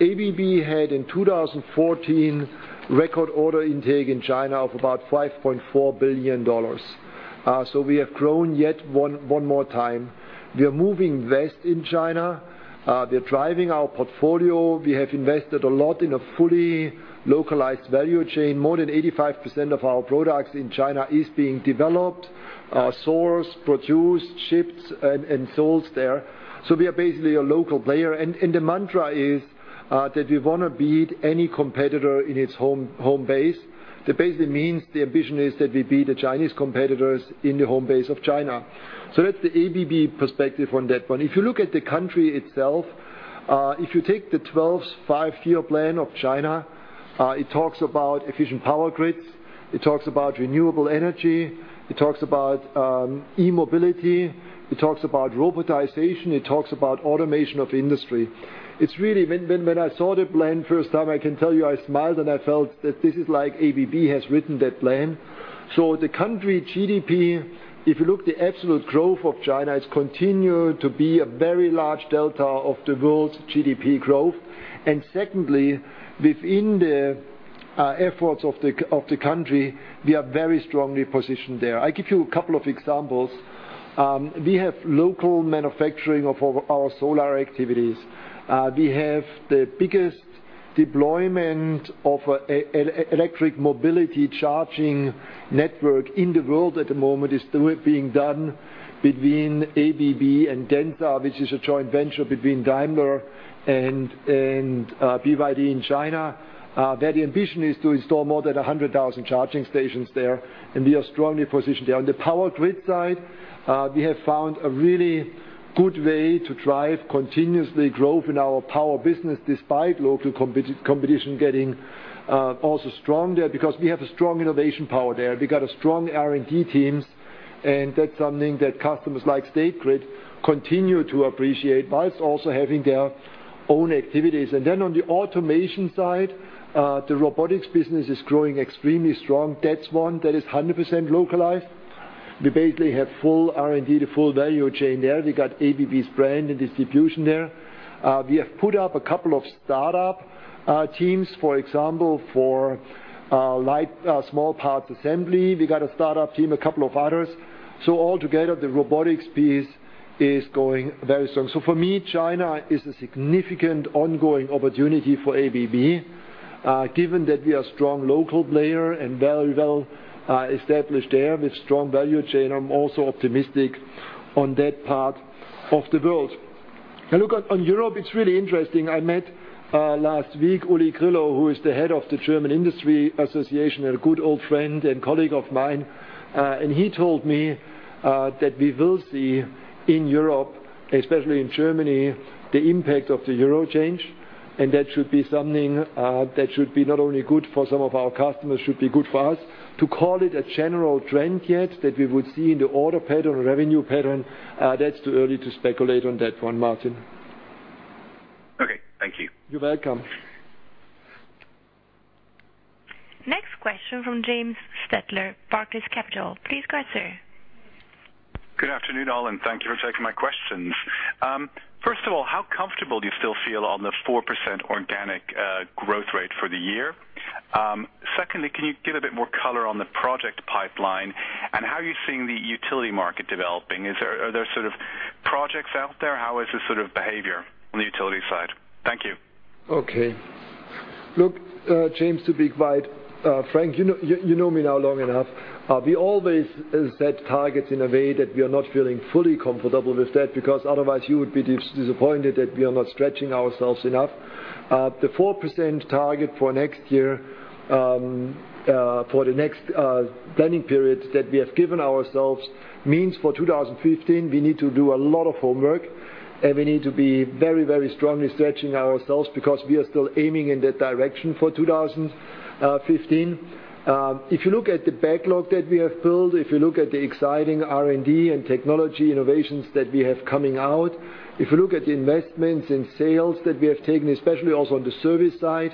ABB had in 2014, record order intake in China of about $5.4 billion. We have grown yet one more time. We are moving west in China. We're driving our portfolio. We have invested a lot in a fully localized value chain. More than 85% of our products in China is being developed, sourced, produced, shipped, and sold there. We are basically a local player. The mantra is that we want to beat any competitor in its home base. That basically means the ambition is that we beat the Chinese competitors in the home base of China. That's the ABB perspective on that one. If you look at the country itself, if you take the 12th five-year plan of China, it talks about efficient power grids. It talks about renewable energy. It talks about e-mobility. It talks about robotization. It talks about automation of industry. When I saw the plan first time, I can tell you, I smiled, and I felt that this is like ABB has written that plan. The country GDP, if you look, the absolute growth of China has continued to be a very large delta of the world's GDP growth. Secondly, within the efforts of the country, we are very strongly positioned there. I give you a couple of examples. We have local manufacturing of our solar activities. We have the biggest deployment of electric mobility charging network in the world at the moment, is being done between ABB and Denza, which is a joint venture between Daimler and BYD in China. Their ambition is to install more than 100,000 charging stations there, and we are strongly positioned there. On the power grid side, we have found a really good way to drive continuously growth in our power business despite local competition getting also strong there because we have a strong innovation power there. We got strong R&D teams, and that's something that customers like State Grid continue to appreciate whilst also having their own activities. On the automation side, the robotics business is growing extremely strong. That's one that is 100% localized. We basically have full R&D, the full value chain there. We got ABB's brand and distribution there. We have put up a couple of startup teams, for example, for light small parts assembly. We got a startup team, a couple of others. Altogether, the robotics piece is going very strong. For me, China is a significant ongoing opportunity for ABB. Given that we are a strong local player and very well established there with a strong value chain, I'm also optimistic on that part of the world. Look, on Europe, it's really interesting. I met last week, Uli Grillo, who is the head of the Federation of German Industries, a good old friend and colleague of mine. He told me that we will see in Europe, especially in Germany, the impact of the euro change, and that should be something that should be not only good for some of our customers, should be good for us. To call it a general trend yet that we would see in the order pattern or revenue pattern, that's too early to speculate on that one, Martin. Okay. Thank you. You're welcome. Next question from James Stettler, Barclays Capital. Please go ahead, sir. Good afternoon, all, and thank you for taking my questions. First of all, how comfortable do you still feel on the 4% organic growth rate for the year? Secondly, can you give a bit more color on the project pipeline and how you're seeing the utility market developing? Are there sort of projects out there? How is the sort of behavior on the utility side? Thank you. Okay. Look, James, to be quite frank, you know me now long enough. We always set targets in a way that we are not feeling fully comfortable with that because otherwise you would be disappointed that we are not stretching ourselves enough. The 4% target for next year, for the next planning period that we have given ourselves means for 2015, we need to do a lot of homework, and we need to be very strongly stretching ourselves because we are still aiming in that direction for 2015. If you look at the backlog that we have built, if you look at the exciting R&D and technology innovations that we have coming out. If you look at the investments in sales that we have taken, especially also on the service side,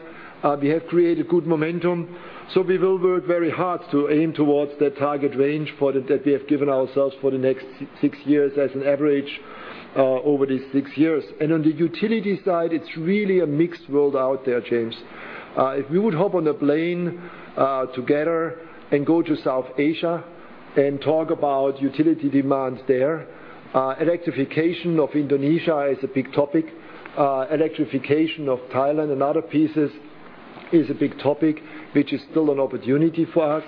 we have created good momentum. We will work very hard to aim towards that target range that we have given ourselves for the next six years as an average over these six years. On the utility side, it's really a mixed world out there, James. If we would hop on a plane together and go to South Asia, and talk about utility demands there, electrification of Indonesia is a big topic. Electrification of Thailand and other pieces is a big topic, which is still an opportunity for us.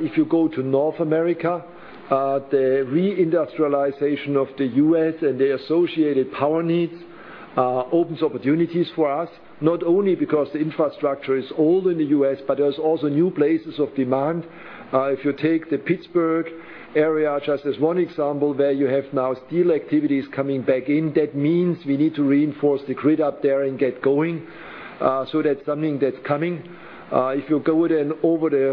If you go to North America, the re-industrialization of the U.S. and the associated power needs opens opportunities for us, not only because the infrastructure is old in the U.S., but there's also new places of demand. If you take the Pittsburgh area, just as one example, where you have now steel activities coming back in, that means we need to reinforce the grid up there and get going. That's something that's coming. If you go over the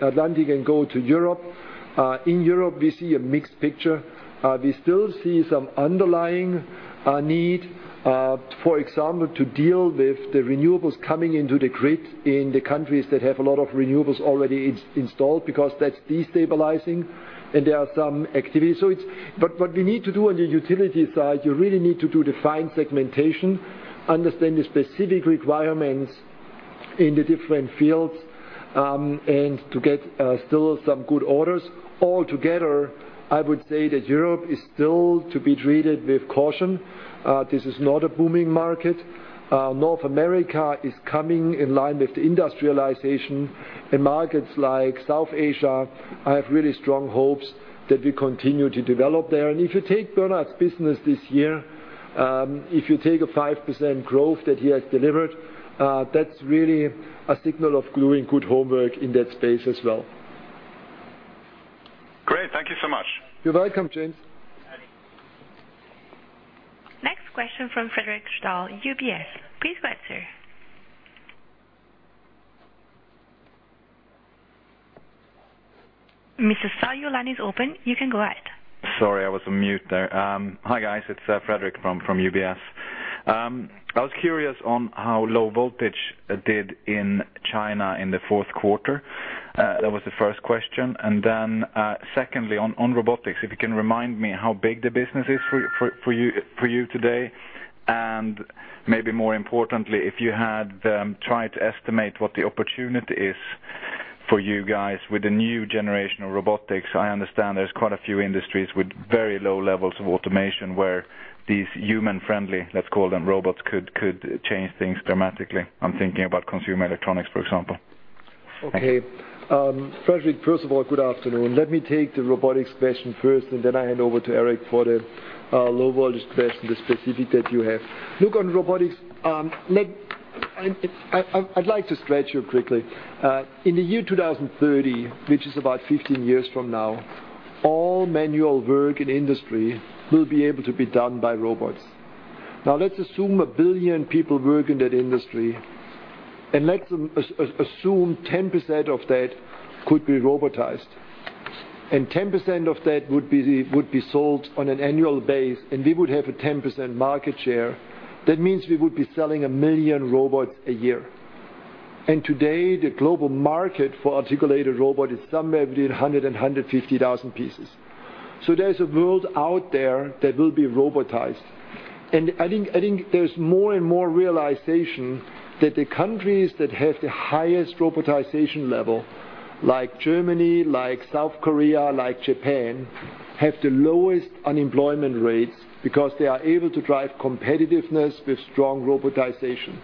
Atlantic and go to Europe, in Europe, we see a mixed picture. We still see some underlying need, for example, to deal with the renewables coming into the grid in the countries that have a lot of renewables already installed, because that's destabilizing, and there are some activities. What we need to do on the utility side, you really need to do defined segmentation, understand the specific requirements in the different fields, and to get still some good orders. Altogether, I would say that Europe is still to be treated with caution. This is not a booming market. North America is coming in line with the industrialization. In markets like South Asia, I have really strong hopes that we continue to develop there. If you take Bernhard's business this year, if you take a 5% growth that he has delivered, that's really a signal of doing good homework in that space as well. Great. Thank you so much. You're welcome, James. Next question from Fredric Stahl, UBS. Please go ahead, sir. Mr. Stahl, your line is open. You can go ahead. Sorry, I was on mute there. Hi, guys, it's Fredric from UBS. I was curious on how low voltage did in China in the fourth quarter. That was the first question. Secondly, on robotics, if you can remind me how big the business is for you today, and maybe more importantly, if you had tried to estimate what the opportunity is for you guys with the new generation of robotics. I understand there's quite a few industries with very low levels of automation where these human-friendly, let's call them, robots, could change things dramatically. I'm thinking about consumer electronics, for example. Thank you. Okay. Fredric, first of all, good afternoon. Let me take the robotics question first, then I hand over to Eric for the low voltage question, the specific that you have. Look, on robotics, I'd like to stretch you quickly. In the year 2030, which is about 15 years from now, all manual work in industry will be able to be done by robots. Let's assume 1 billion people work in that industry, and let's assume 10% of that could be robotized. 10% of that would be sold on an annual base, and we would have a 10% market share. That means we would be selling 1 million robots a year. Today, the global market for articulated robot is somewhere between 100,000 and 150,000 pieces. There's a world out there that will be robotized. I think there's more and more realization that the countries that have the highest robotization level, like Germany, like South Korea, like Japan, have the lowest unemployment rates because they are able to drive competitiveness with strong robotization.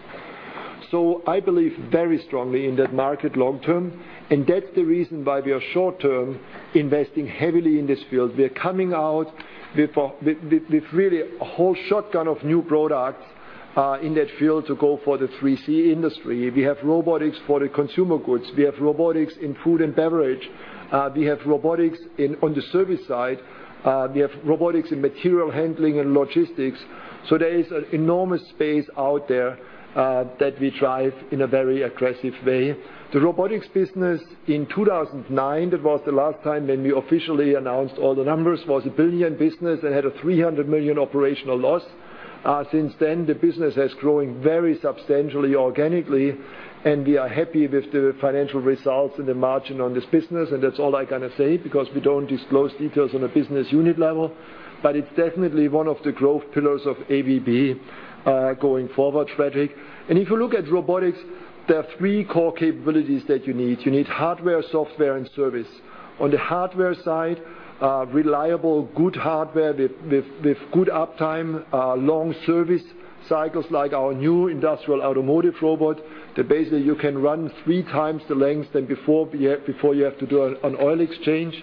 I believe very strongly in that market long-term, and that's the reason why we are short-term investing heavily in this field. We are coming out with really a whole shotgun of new products in that field to go for the 3C industry. We have robotics for the consumer goods. We have robotics in food and beverage. We have robotics on the service side. We have robotics in material handling and logistics. There is an enormous space out there that we drive in a very aggressive way. The robotics business in 2009, that was the last time when we officially announced all the numbers, was a 1 billion business and had a 300 million operational loss. Since then, the business is growing very substantially organically, and we are happy with the financial results and the margin on this business. That's all I'm going to say because we don't disclose details on a business unit level. It's definitely one of the growth pillars of ABB going forward, Fredric. If you look at robotics, there are three core capabilities that you need. You need hardware, software, and service. On the hardware side, reliable, good hardware with good uptime, long service cycles, like our new industrial automotive robot, that basically you can run three times the length than before you have to do an oil exchange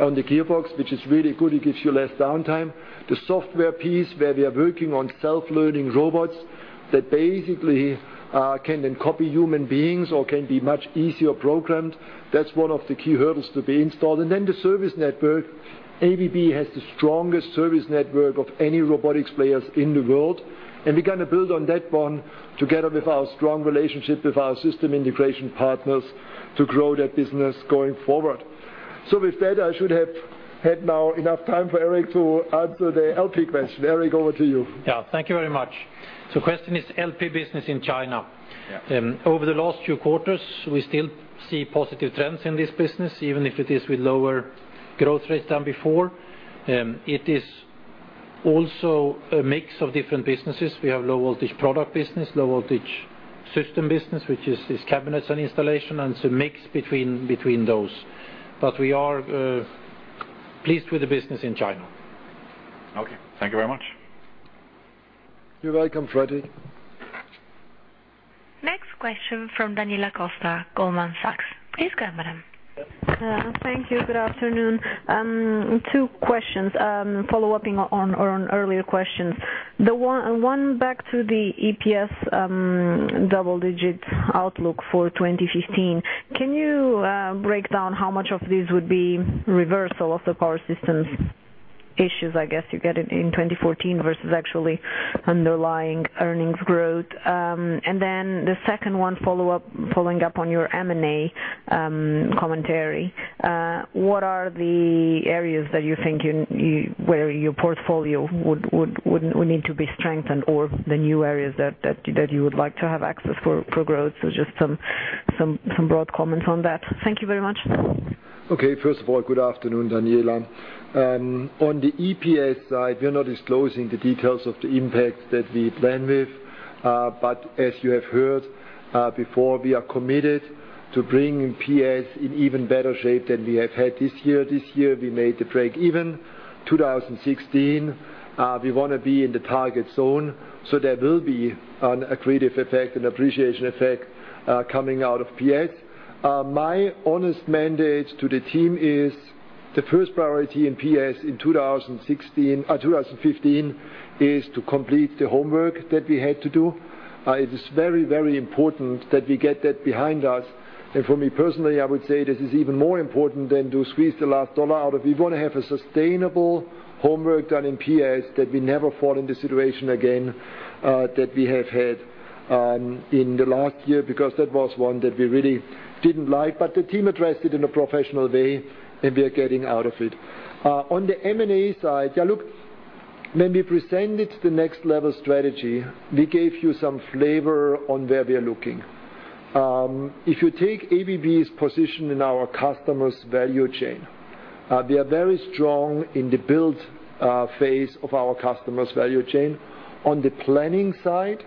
on the gearbox, which is really good. It gives you less downtime. The software piece where we are working on self-learning robots that basically can then copy human beings or can be much easier programmed. That's one of the key hurdles to be installed. Then the service network. ABB has the strongest service network of any robotics players in the world, and we're going to build on that one together with our strong relationship with our system integration partners to grow that business going forward. With that, I should have had now enough time for Eric to answer the LP question. Eric, over to you. Yeah. Thank you very much. Question is LP business in China. Yeah. Over the last few quarters, we still see positive trends in this business, even if it is with lower growth rates than before. Also, a mix of different businesses. We have low-voltage product business, low-voltage system business, which is cabinets and installation, and it's a mix between those. We are pleased with the business in China. Okay. Thank you very much. You're welcome, Freddy. Next question from Daniela Costa, Goldman Sachs. Please go ahead, madam. Thank you. Good afternoon. Two questions, following up on earlier questions. One, back to the EPS double-digit outlook for 2015. Can you break down how much of this would be reversal of the Power Systems issues, I guess, you got in 2014 versus actually underlying earnings growth? The second one, following up on your M&A commentary. What are the areas that you think where your portfolio would need to be strengthened or the new areas that you would like to have access for growth? Just some broad comments on that. Thank you very much. Okay. First of all, good afternoon, Daniela. On the EPS side, we are not disclosing the details of the impact that we plan with. As you have heard before, we are committed to bringing PS in even better shape than we have had this year. This year, we made the break even. 2016, we want to be in the target zone, there will be an accretive effect and appreciation effect coming out of PS. My honest mandate to the team is the first priority in PS in 2015 is to complete the homework that we had to do. It is very important that we get that behind us. For me personally, I would say this is even more important than to squeeze the last dollar out of it. We want to have a sustainable homework done in PS, that we never fall in the situation again that we have had in the last year, because that was one that we really didn't like. The team addressed it in a professional way, and we are getting out of it. On the M&A side, when we presented the Next Level strategy, we gave you some flavor on where we're looking. If you take ABB's position in our customer's value chain, we are very strong in the build phase of our customer's value chain. On the planning side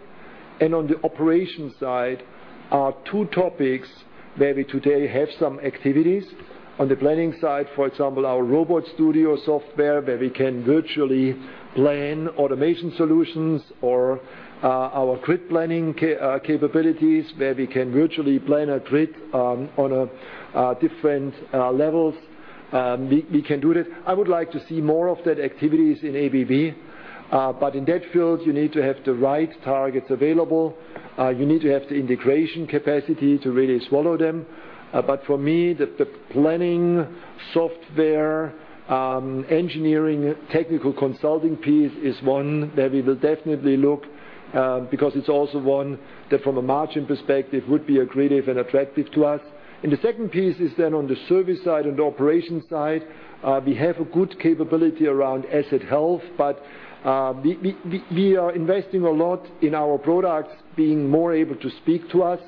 and on the operations side are two topics where we today have some activities. On the planning side, for example, our RobotStudio software where we can virtually plan automation solutions, or our grid planning capabilities where we can virtually plan a grid on different levels. We can do that. I would like to see more of that activities in ABB. In that field, you need to have the right targets available. You need to have the integration capacity to really swallow them. For me, the planning software, engineering, technical consulting piece is one where we will definitely look because it's also one that from a margin perspective, would be accretive and attractive to us. The second piece is then on the service side and the operations side. We have a good capability around asset health, but we are investing a lot in our products being more able to speak to us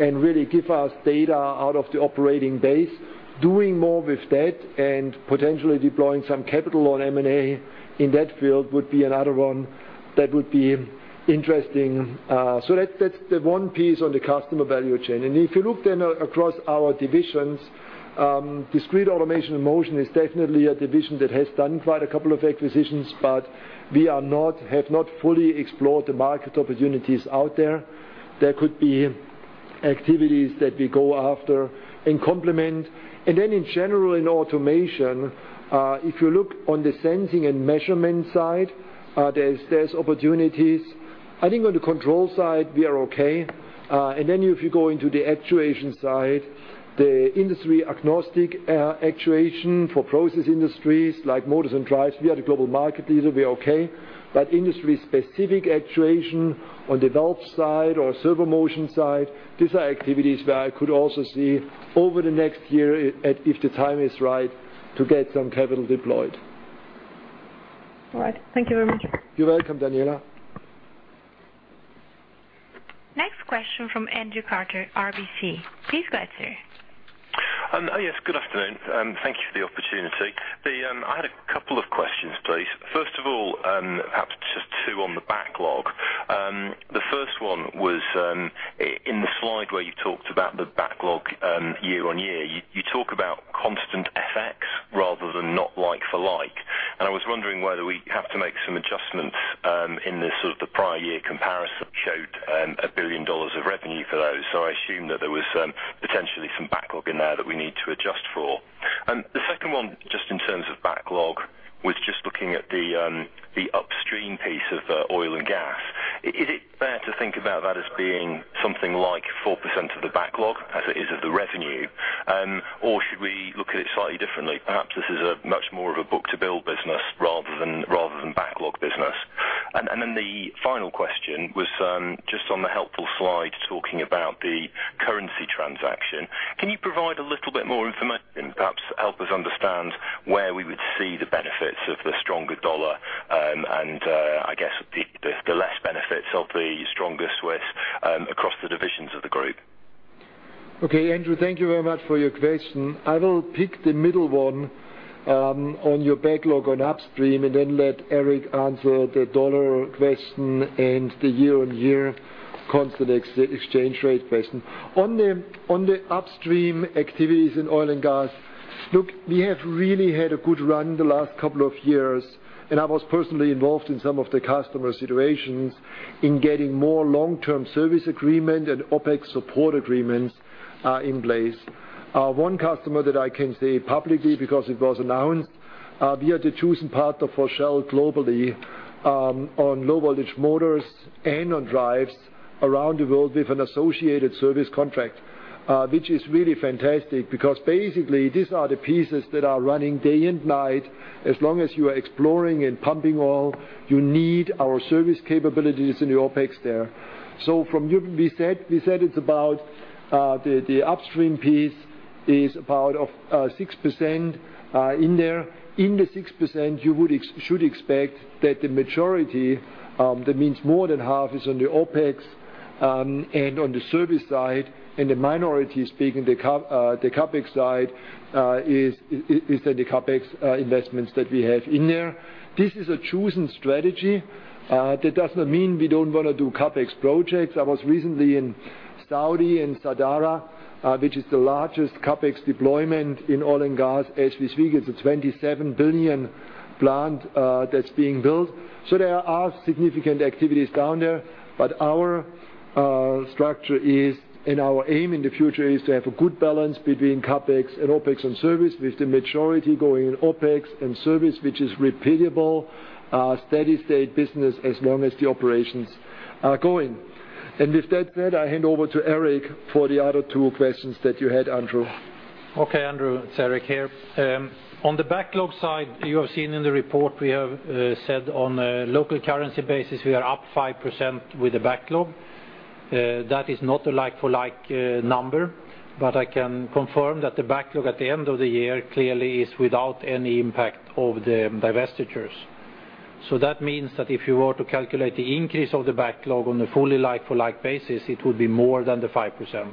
and really give us data out of the operating base. Doing more with that and potentially deploying some capital on M&A in that field would be another one that would be interesting. That's the one piece on the customer value chain. If you look then across our divisions, Discrete Automation and Motion is definitely a division that has done quite a couple of acquisitions, but we have not fully explored the market opportunities out there. There could be activities that we go after and complement. Then in general, in automation, if you look on the sensing and measurement side, there's opportunities. I think on the control side, we are okay. Then if you go into the actuation side, the industry agnostic actuation for process industries like motors and drives, we are the global market leader. We are okay. Industry specific actuation on the valve side or servo motion side, these are activities where I could also see over the next year, if the time is right, to get some capital deployed. All right. Thank you very much. You're welcome, Daniela. Next question from Andrew Carter, RBC. Please go ahead, sir. Yes, good afternoon. Thank you for the opportunity. I had a couple of questions, please. First of all, perhaps just two on the backlog. The first one was in the slide where you talked about the backlog year-over-year. You talk about constant FX rather than not like for like. I was wondering whether we have to make some adjustments in the prior year comparison showed CHF 1 billion of revenue for those. I assume that there was potentially some backlog in there that we need to adjust for. The second one, just in terms of backlog, was just looking at the upstream piece of the oil and gas. Is it fair to think about that as being something like 4% of the backlog as it is of the revenue? Should we look at it slightly differently? Perhaps this is much more of a book-to-bill business rather than backlog business. The final question was just on the helpful slide talking about the currency transaction. Can you provide a little bit more information, perhaps help us understand where we would see the benefits of the stronger U.S. dollar and, I guess, the less Across the divisions of the group. Okay, Andrew, thank you very much for your question. I will pick the middle one on your backlog on upstream, then let Eric Elzvik answer the U.S. dollar question and the year-over-year constant exchange rate question. On the upstream activities in oil and gas, look, we have really had a good run the last couple of years. I was personally involved in some of the customer situations in getting more long-term service agreement and OpEx support agreements in place. One customer that I can say publicly because it was announced, we are the chosen partner for Shell globally on low-voltage motors and on drives around the world with an associated service contract, which is really fantastic because basically these are the pieces that are running day and night. As long as you are exploring and pumping oil, you need our service capabilities in the OpEx there. From Juergen, we said it's about the upstream piece is about 6% in there. In the 6%, you should expect that the majority, that means more than half, is on the OpEx and on the service side, and the minority is big in the CapEx side is the CapEx investments that we have in there. This is a chosen strategy. That does not mean we don't want to do CapEx projects. I was recently in Saudi, in Sadara, which is the largest CapEx deployment in oil and gas as we speak. It's a $27 billion plant that's being built. There are significant activities down there, our structure is, and our aim in the future is to have a good balance between CapEx and OpEx on service, with the majority going in OpEx and service, which is repeatable, steady state business as long as the operations are going. With that said, I hand over to Eric for the other two questions that you had, Andrew. Okay, Andrew. It's Eric here. On the backlog side, you have seen in the report, we have said on a local currency basis, we are up 5% with the backlog. That is not a like-for-like number, I can confirm that the backlog at the end of the year clearly is without any impact of the divestitures. That means that if you were to calculate the increase of the backlog on a fully like-for-like basis, it would be more than the 5%,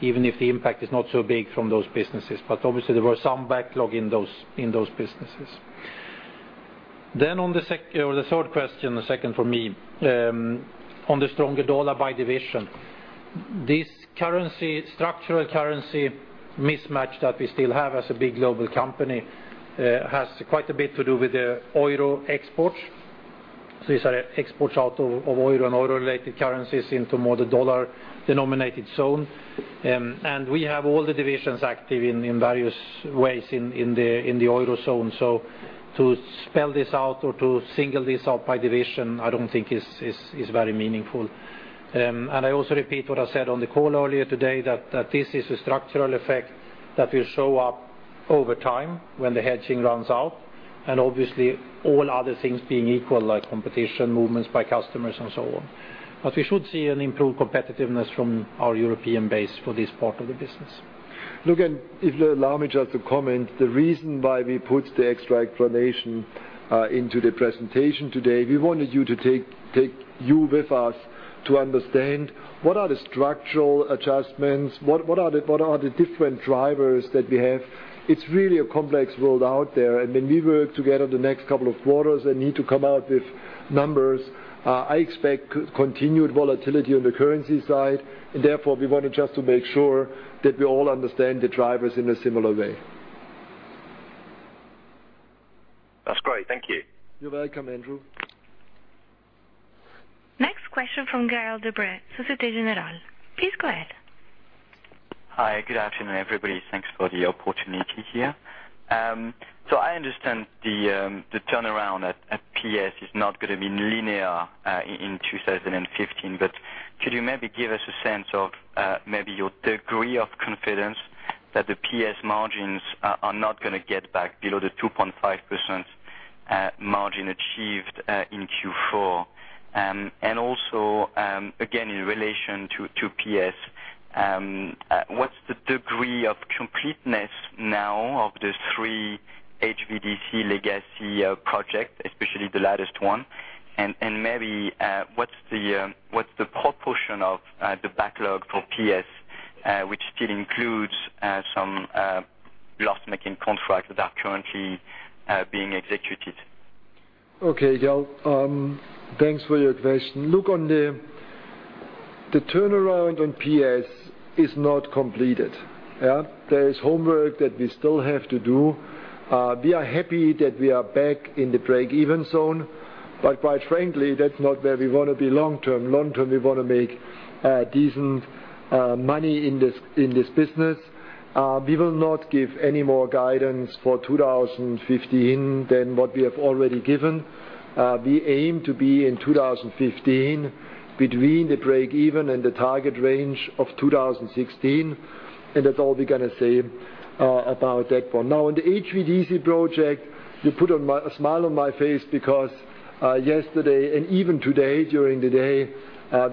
even if the impact is not so big from those businesses. Obviously, there were some backlog in those businesses. On the third question, the second for me, on the stronger dollar by division. This structural currency mismatch that we still have as a big global company has quite a bit to do with the euro exports. These are exports out of euro and euro-related currencies into more the dollar-denominated zone. We have all the divisions active in various ways in the euro zone. To spell this out or to single this out by division, I don't think is very meaningful. I also repeat what I said on the call earlier today, that this is a structural effect that will show up over time when the hedging runs out, and obviously all other things being equal, like competition movements by customers and so on. We should see an improved competitiveness from our European base for this part of the business. Look, if you allow me just to comment, the reason why we put the extra explanation into the presentation today, we wanted you to take you with us to understand what are the structural adjustments, what are the different drivers that we have. It's really a complex world out there. When we work together the next couple of quarters and need to come out with numbers, I expect continued volatility on the currency side. Therefore, we wanted just to make sure that we all understand the drivers in a similar way. That's great. Thank you. You're welcome, Andrew. Next question from Gaël de Bray, Societe Generale. Please go ahead. Hi. Good afternoon, everybody. Thanks for the opportunity here. I understand the turnaround at PS is not going to be linear in 2015, but could you maybe give us a sense of maybe your degree of confidence that the PS margins are not going to get back below the 2.5% margin achieved in Q4? Also, again, in relation to PS, what's the degree of completeness now of the three HVDC legacy projects, especially the latest one? Maybe what's the proportion of the backlog for PS, which still includes some loss-making contracts that are currently being executed? Okay, Gaël. Thanks for your question. Look, the turnaround on PS is not completed. There is homework that we still have to do. We are happy that we are back in the break-even zone, but quite frankly, that's not where we want to be long-term. Long-term, we want to make decent money in this business. We will not give any more guidance for 2015 than what we have already given We aim to be in 2015 between the break-even and the target range of 2016, That's all we're going to say about that one. Now, on the HVDC project, you put a smile on my face because yesterday and even today during the day,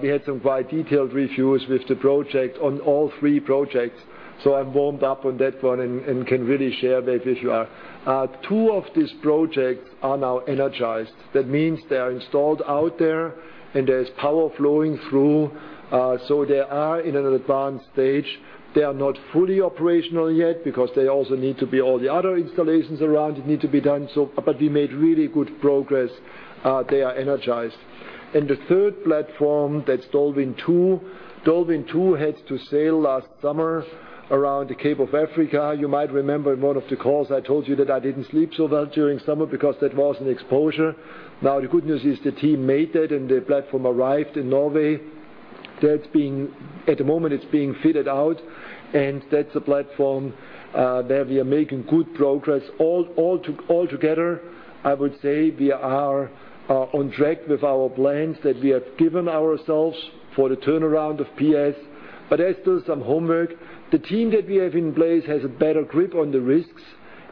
we had some quite detailed reviews with the project on all three projects. I'm warmed up on that one and can really share that with you. You are. Two of these projects are now energized. That means they are installed out there, and there's power flowing through. They are in an advanced stage. They are not fully operational yet because they also need to be all the other installations around it need to be done. We made really good progress. They are energized. The third platform, that's DolWin2. DolWin2 had to sail last summer around the Cape of Good Hope. You might remember in one of the calls, I told you that I didn't sleep so well during summer because that was an exposure. The good news is the team made that, the platform arrived in Norway. At the moment, it's being fitted out, That's a platform where we are making good progress. Altogether, I would say we are on track with our plans that we have given ourselves for the turnaround of PS, but there's still some homework. The team that we have in place has a better grip on the risks.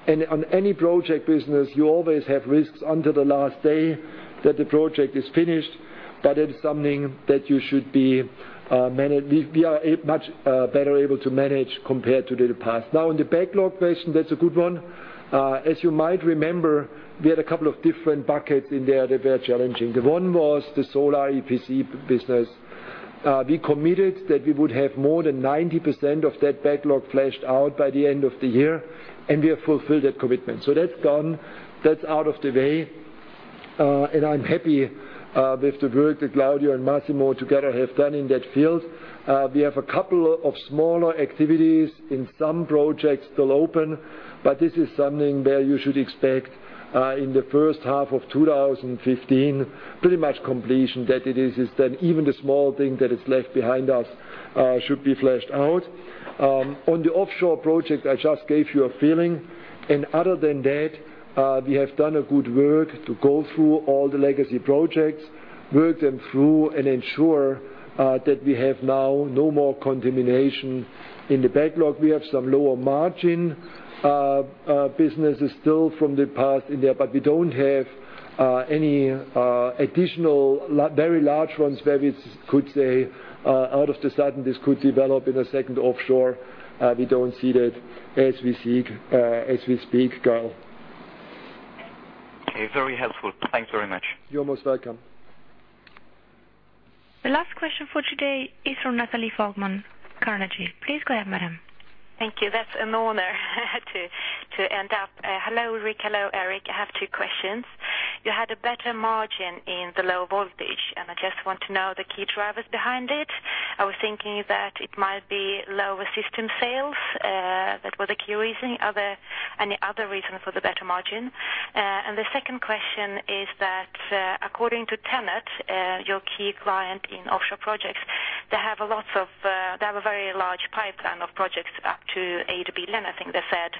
On any project business, you always have risks until the last day that the project is finished. It's something that we are much better able to manage compared to the past. On the backlog question, that's a good one. As you might remember, we had a couple of different buckets in there that were challenging. One was the solar EPC business. We committed that we would have more than 90% of that backlog fleshed out by the end of the year, and we have fulfilled that commitment. That's gone. That's out of the way. I'm happy with the work that Claudio and Massimo together have done in that field. We have a couple of smaller activities in some projects still open, but this is something where you should expect in the first half of 2015, pretty much completion, that it is, that even the small thing that is left behind us should be fleshed out. On the offshore project, I just gave you a feeling, and other than that, we have done a good work to go through all the legacy projects, work them through, and ensure that we have now no more contamination in the backlog. We have some lower margin businesses still from the past in there, but we don't have any additional very large ones where we could say out of the sudden this could develop in a second offshore. We don't see that as we speak, Gaël. Very helpful. Thanks very much. You're most welcome. The last question for today is from Nathalie Foy, Carnegie. Please go ahead, madam. Thank you. That's an honor to end up. Hello, Ulrich. Hello, Eric. I have two questions. I just want to know the key drivers behind it. I was thinking that it might be lower system sales that were the key reason. Are there any other reason for the better margin? The second question is that, according to TenneT, your key client in offshore projects, they have a very large pipeline of projects up to $8 billion, I think they said.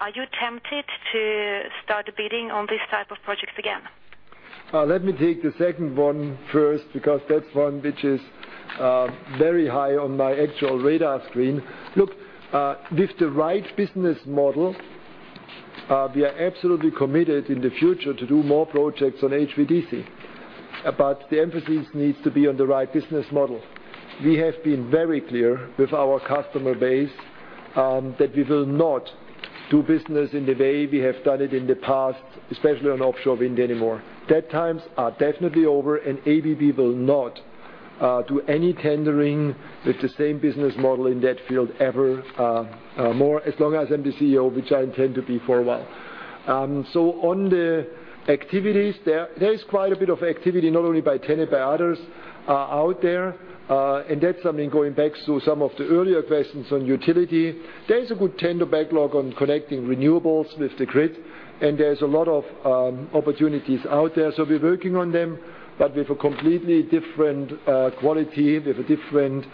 Are you tempted to start bidding on this type of projects again? Let me take the second one first because that's one which is very high on my actual radar screen. Look, with the right business model, we are absolutely committed in the future to do more projects on HVDC, the emphasis needs to be on the right business model. We have been very clear with our customer base, that we will not do business in the way we have done it in the past, especially on offshore wind anymore. That times are definitely over, ABB will not do any tendering with the same business model in that field ever more, as long as I'm the CEO, which I intend to be for a while. On the activities there. There is quite a bit of activity, not only by TenneT, by others out there. That's something going back to some of the earlier questions on utility. There is a good tender backlog on connecting renewables with the grid, there's a lot of opportunities out there. We're working on them, with a completely different quality, with a different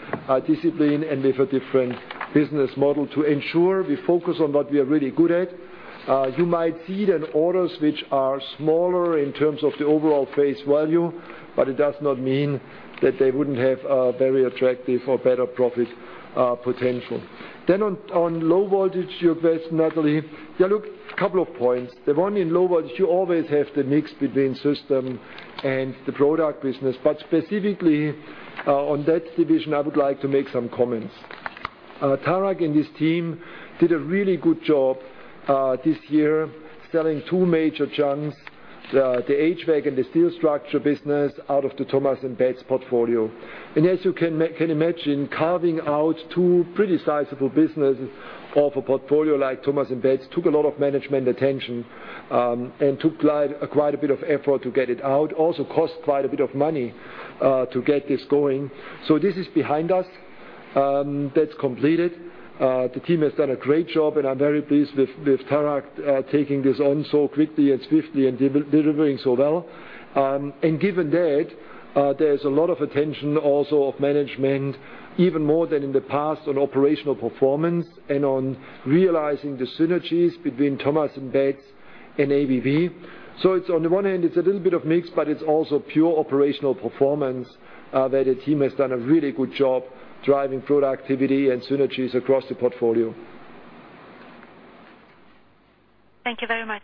discipline, with a different business model to ensure we focus on what we are really good at. You might see that orders which are smaller in terms of the overall face value, it does not mean that they wouldn't have a very attractive or better profit potential. On low voltage, your question, Nathalie Foy. Look, a couple of points. The one in low voltage, you always have the mix between system and the product business, specifically, on that division, I would like to make some comments. Tarak and his team did a really good job this year selling two major chunks, the HVAC and the steel structure business out of the Thomas & Betts portfolio. As you can imagine, carving out two pretty sizable businesses of a portfolio like Thomas & Betts took a lot of management attention, and took quite a bit of effort to get it out. Also cost quite a bit of money to get this going. This is behind us. That's completed. The team has done a great job, and I'm very pleased with Tarak taking this on so quickly and swiftly and delivering so well. Given that, there's a lot of attention also of management, even more than in the past on operational performance and on realizing the synergies between Thomas & Betts and ABB. On the one hand, it's a little bit of mix, but it's also pure operational performance, that the team has done a really good job driving productivity and synergies across the portfolio. Thank you very much.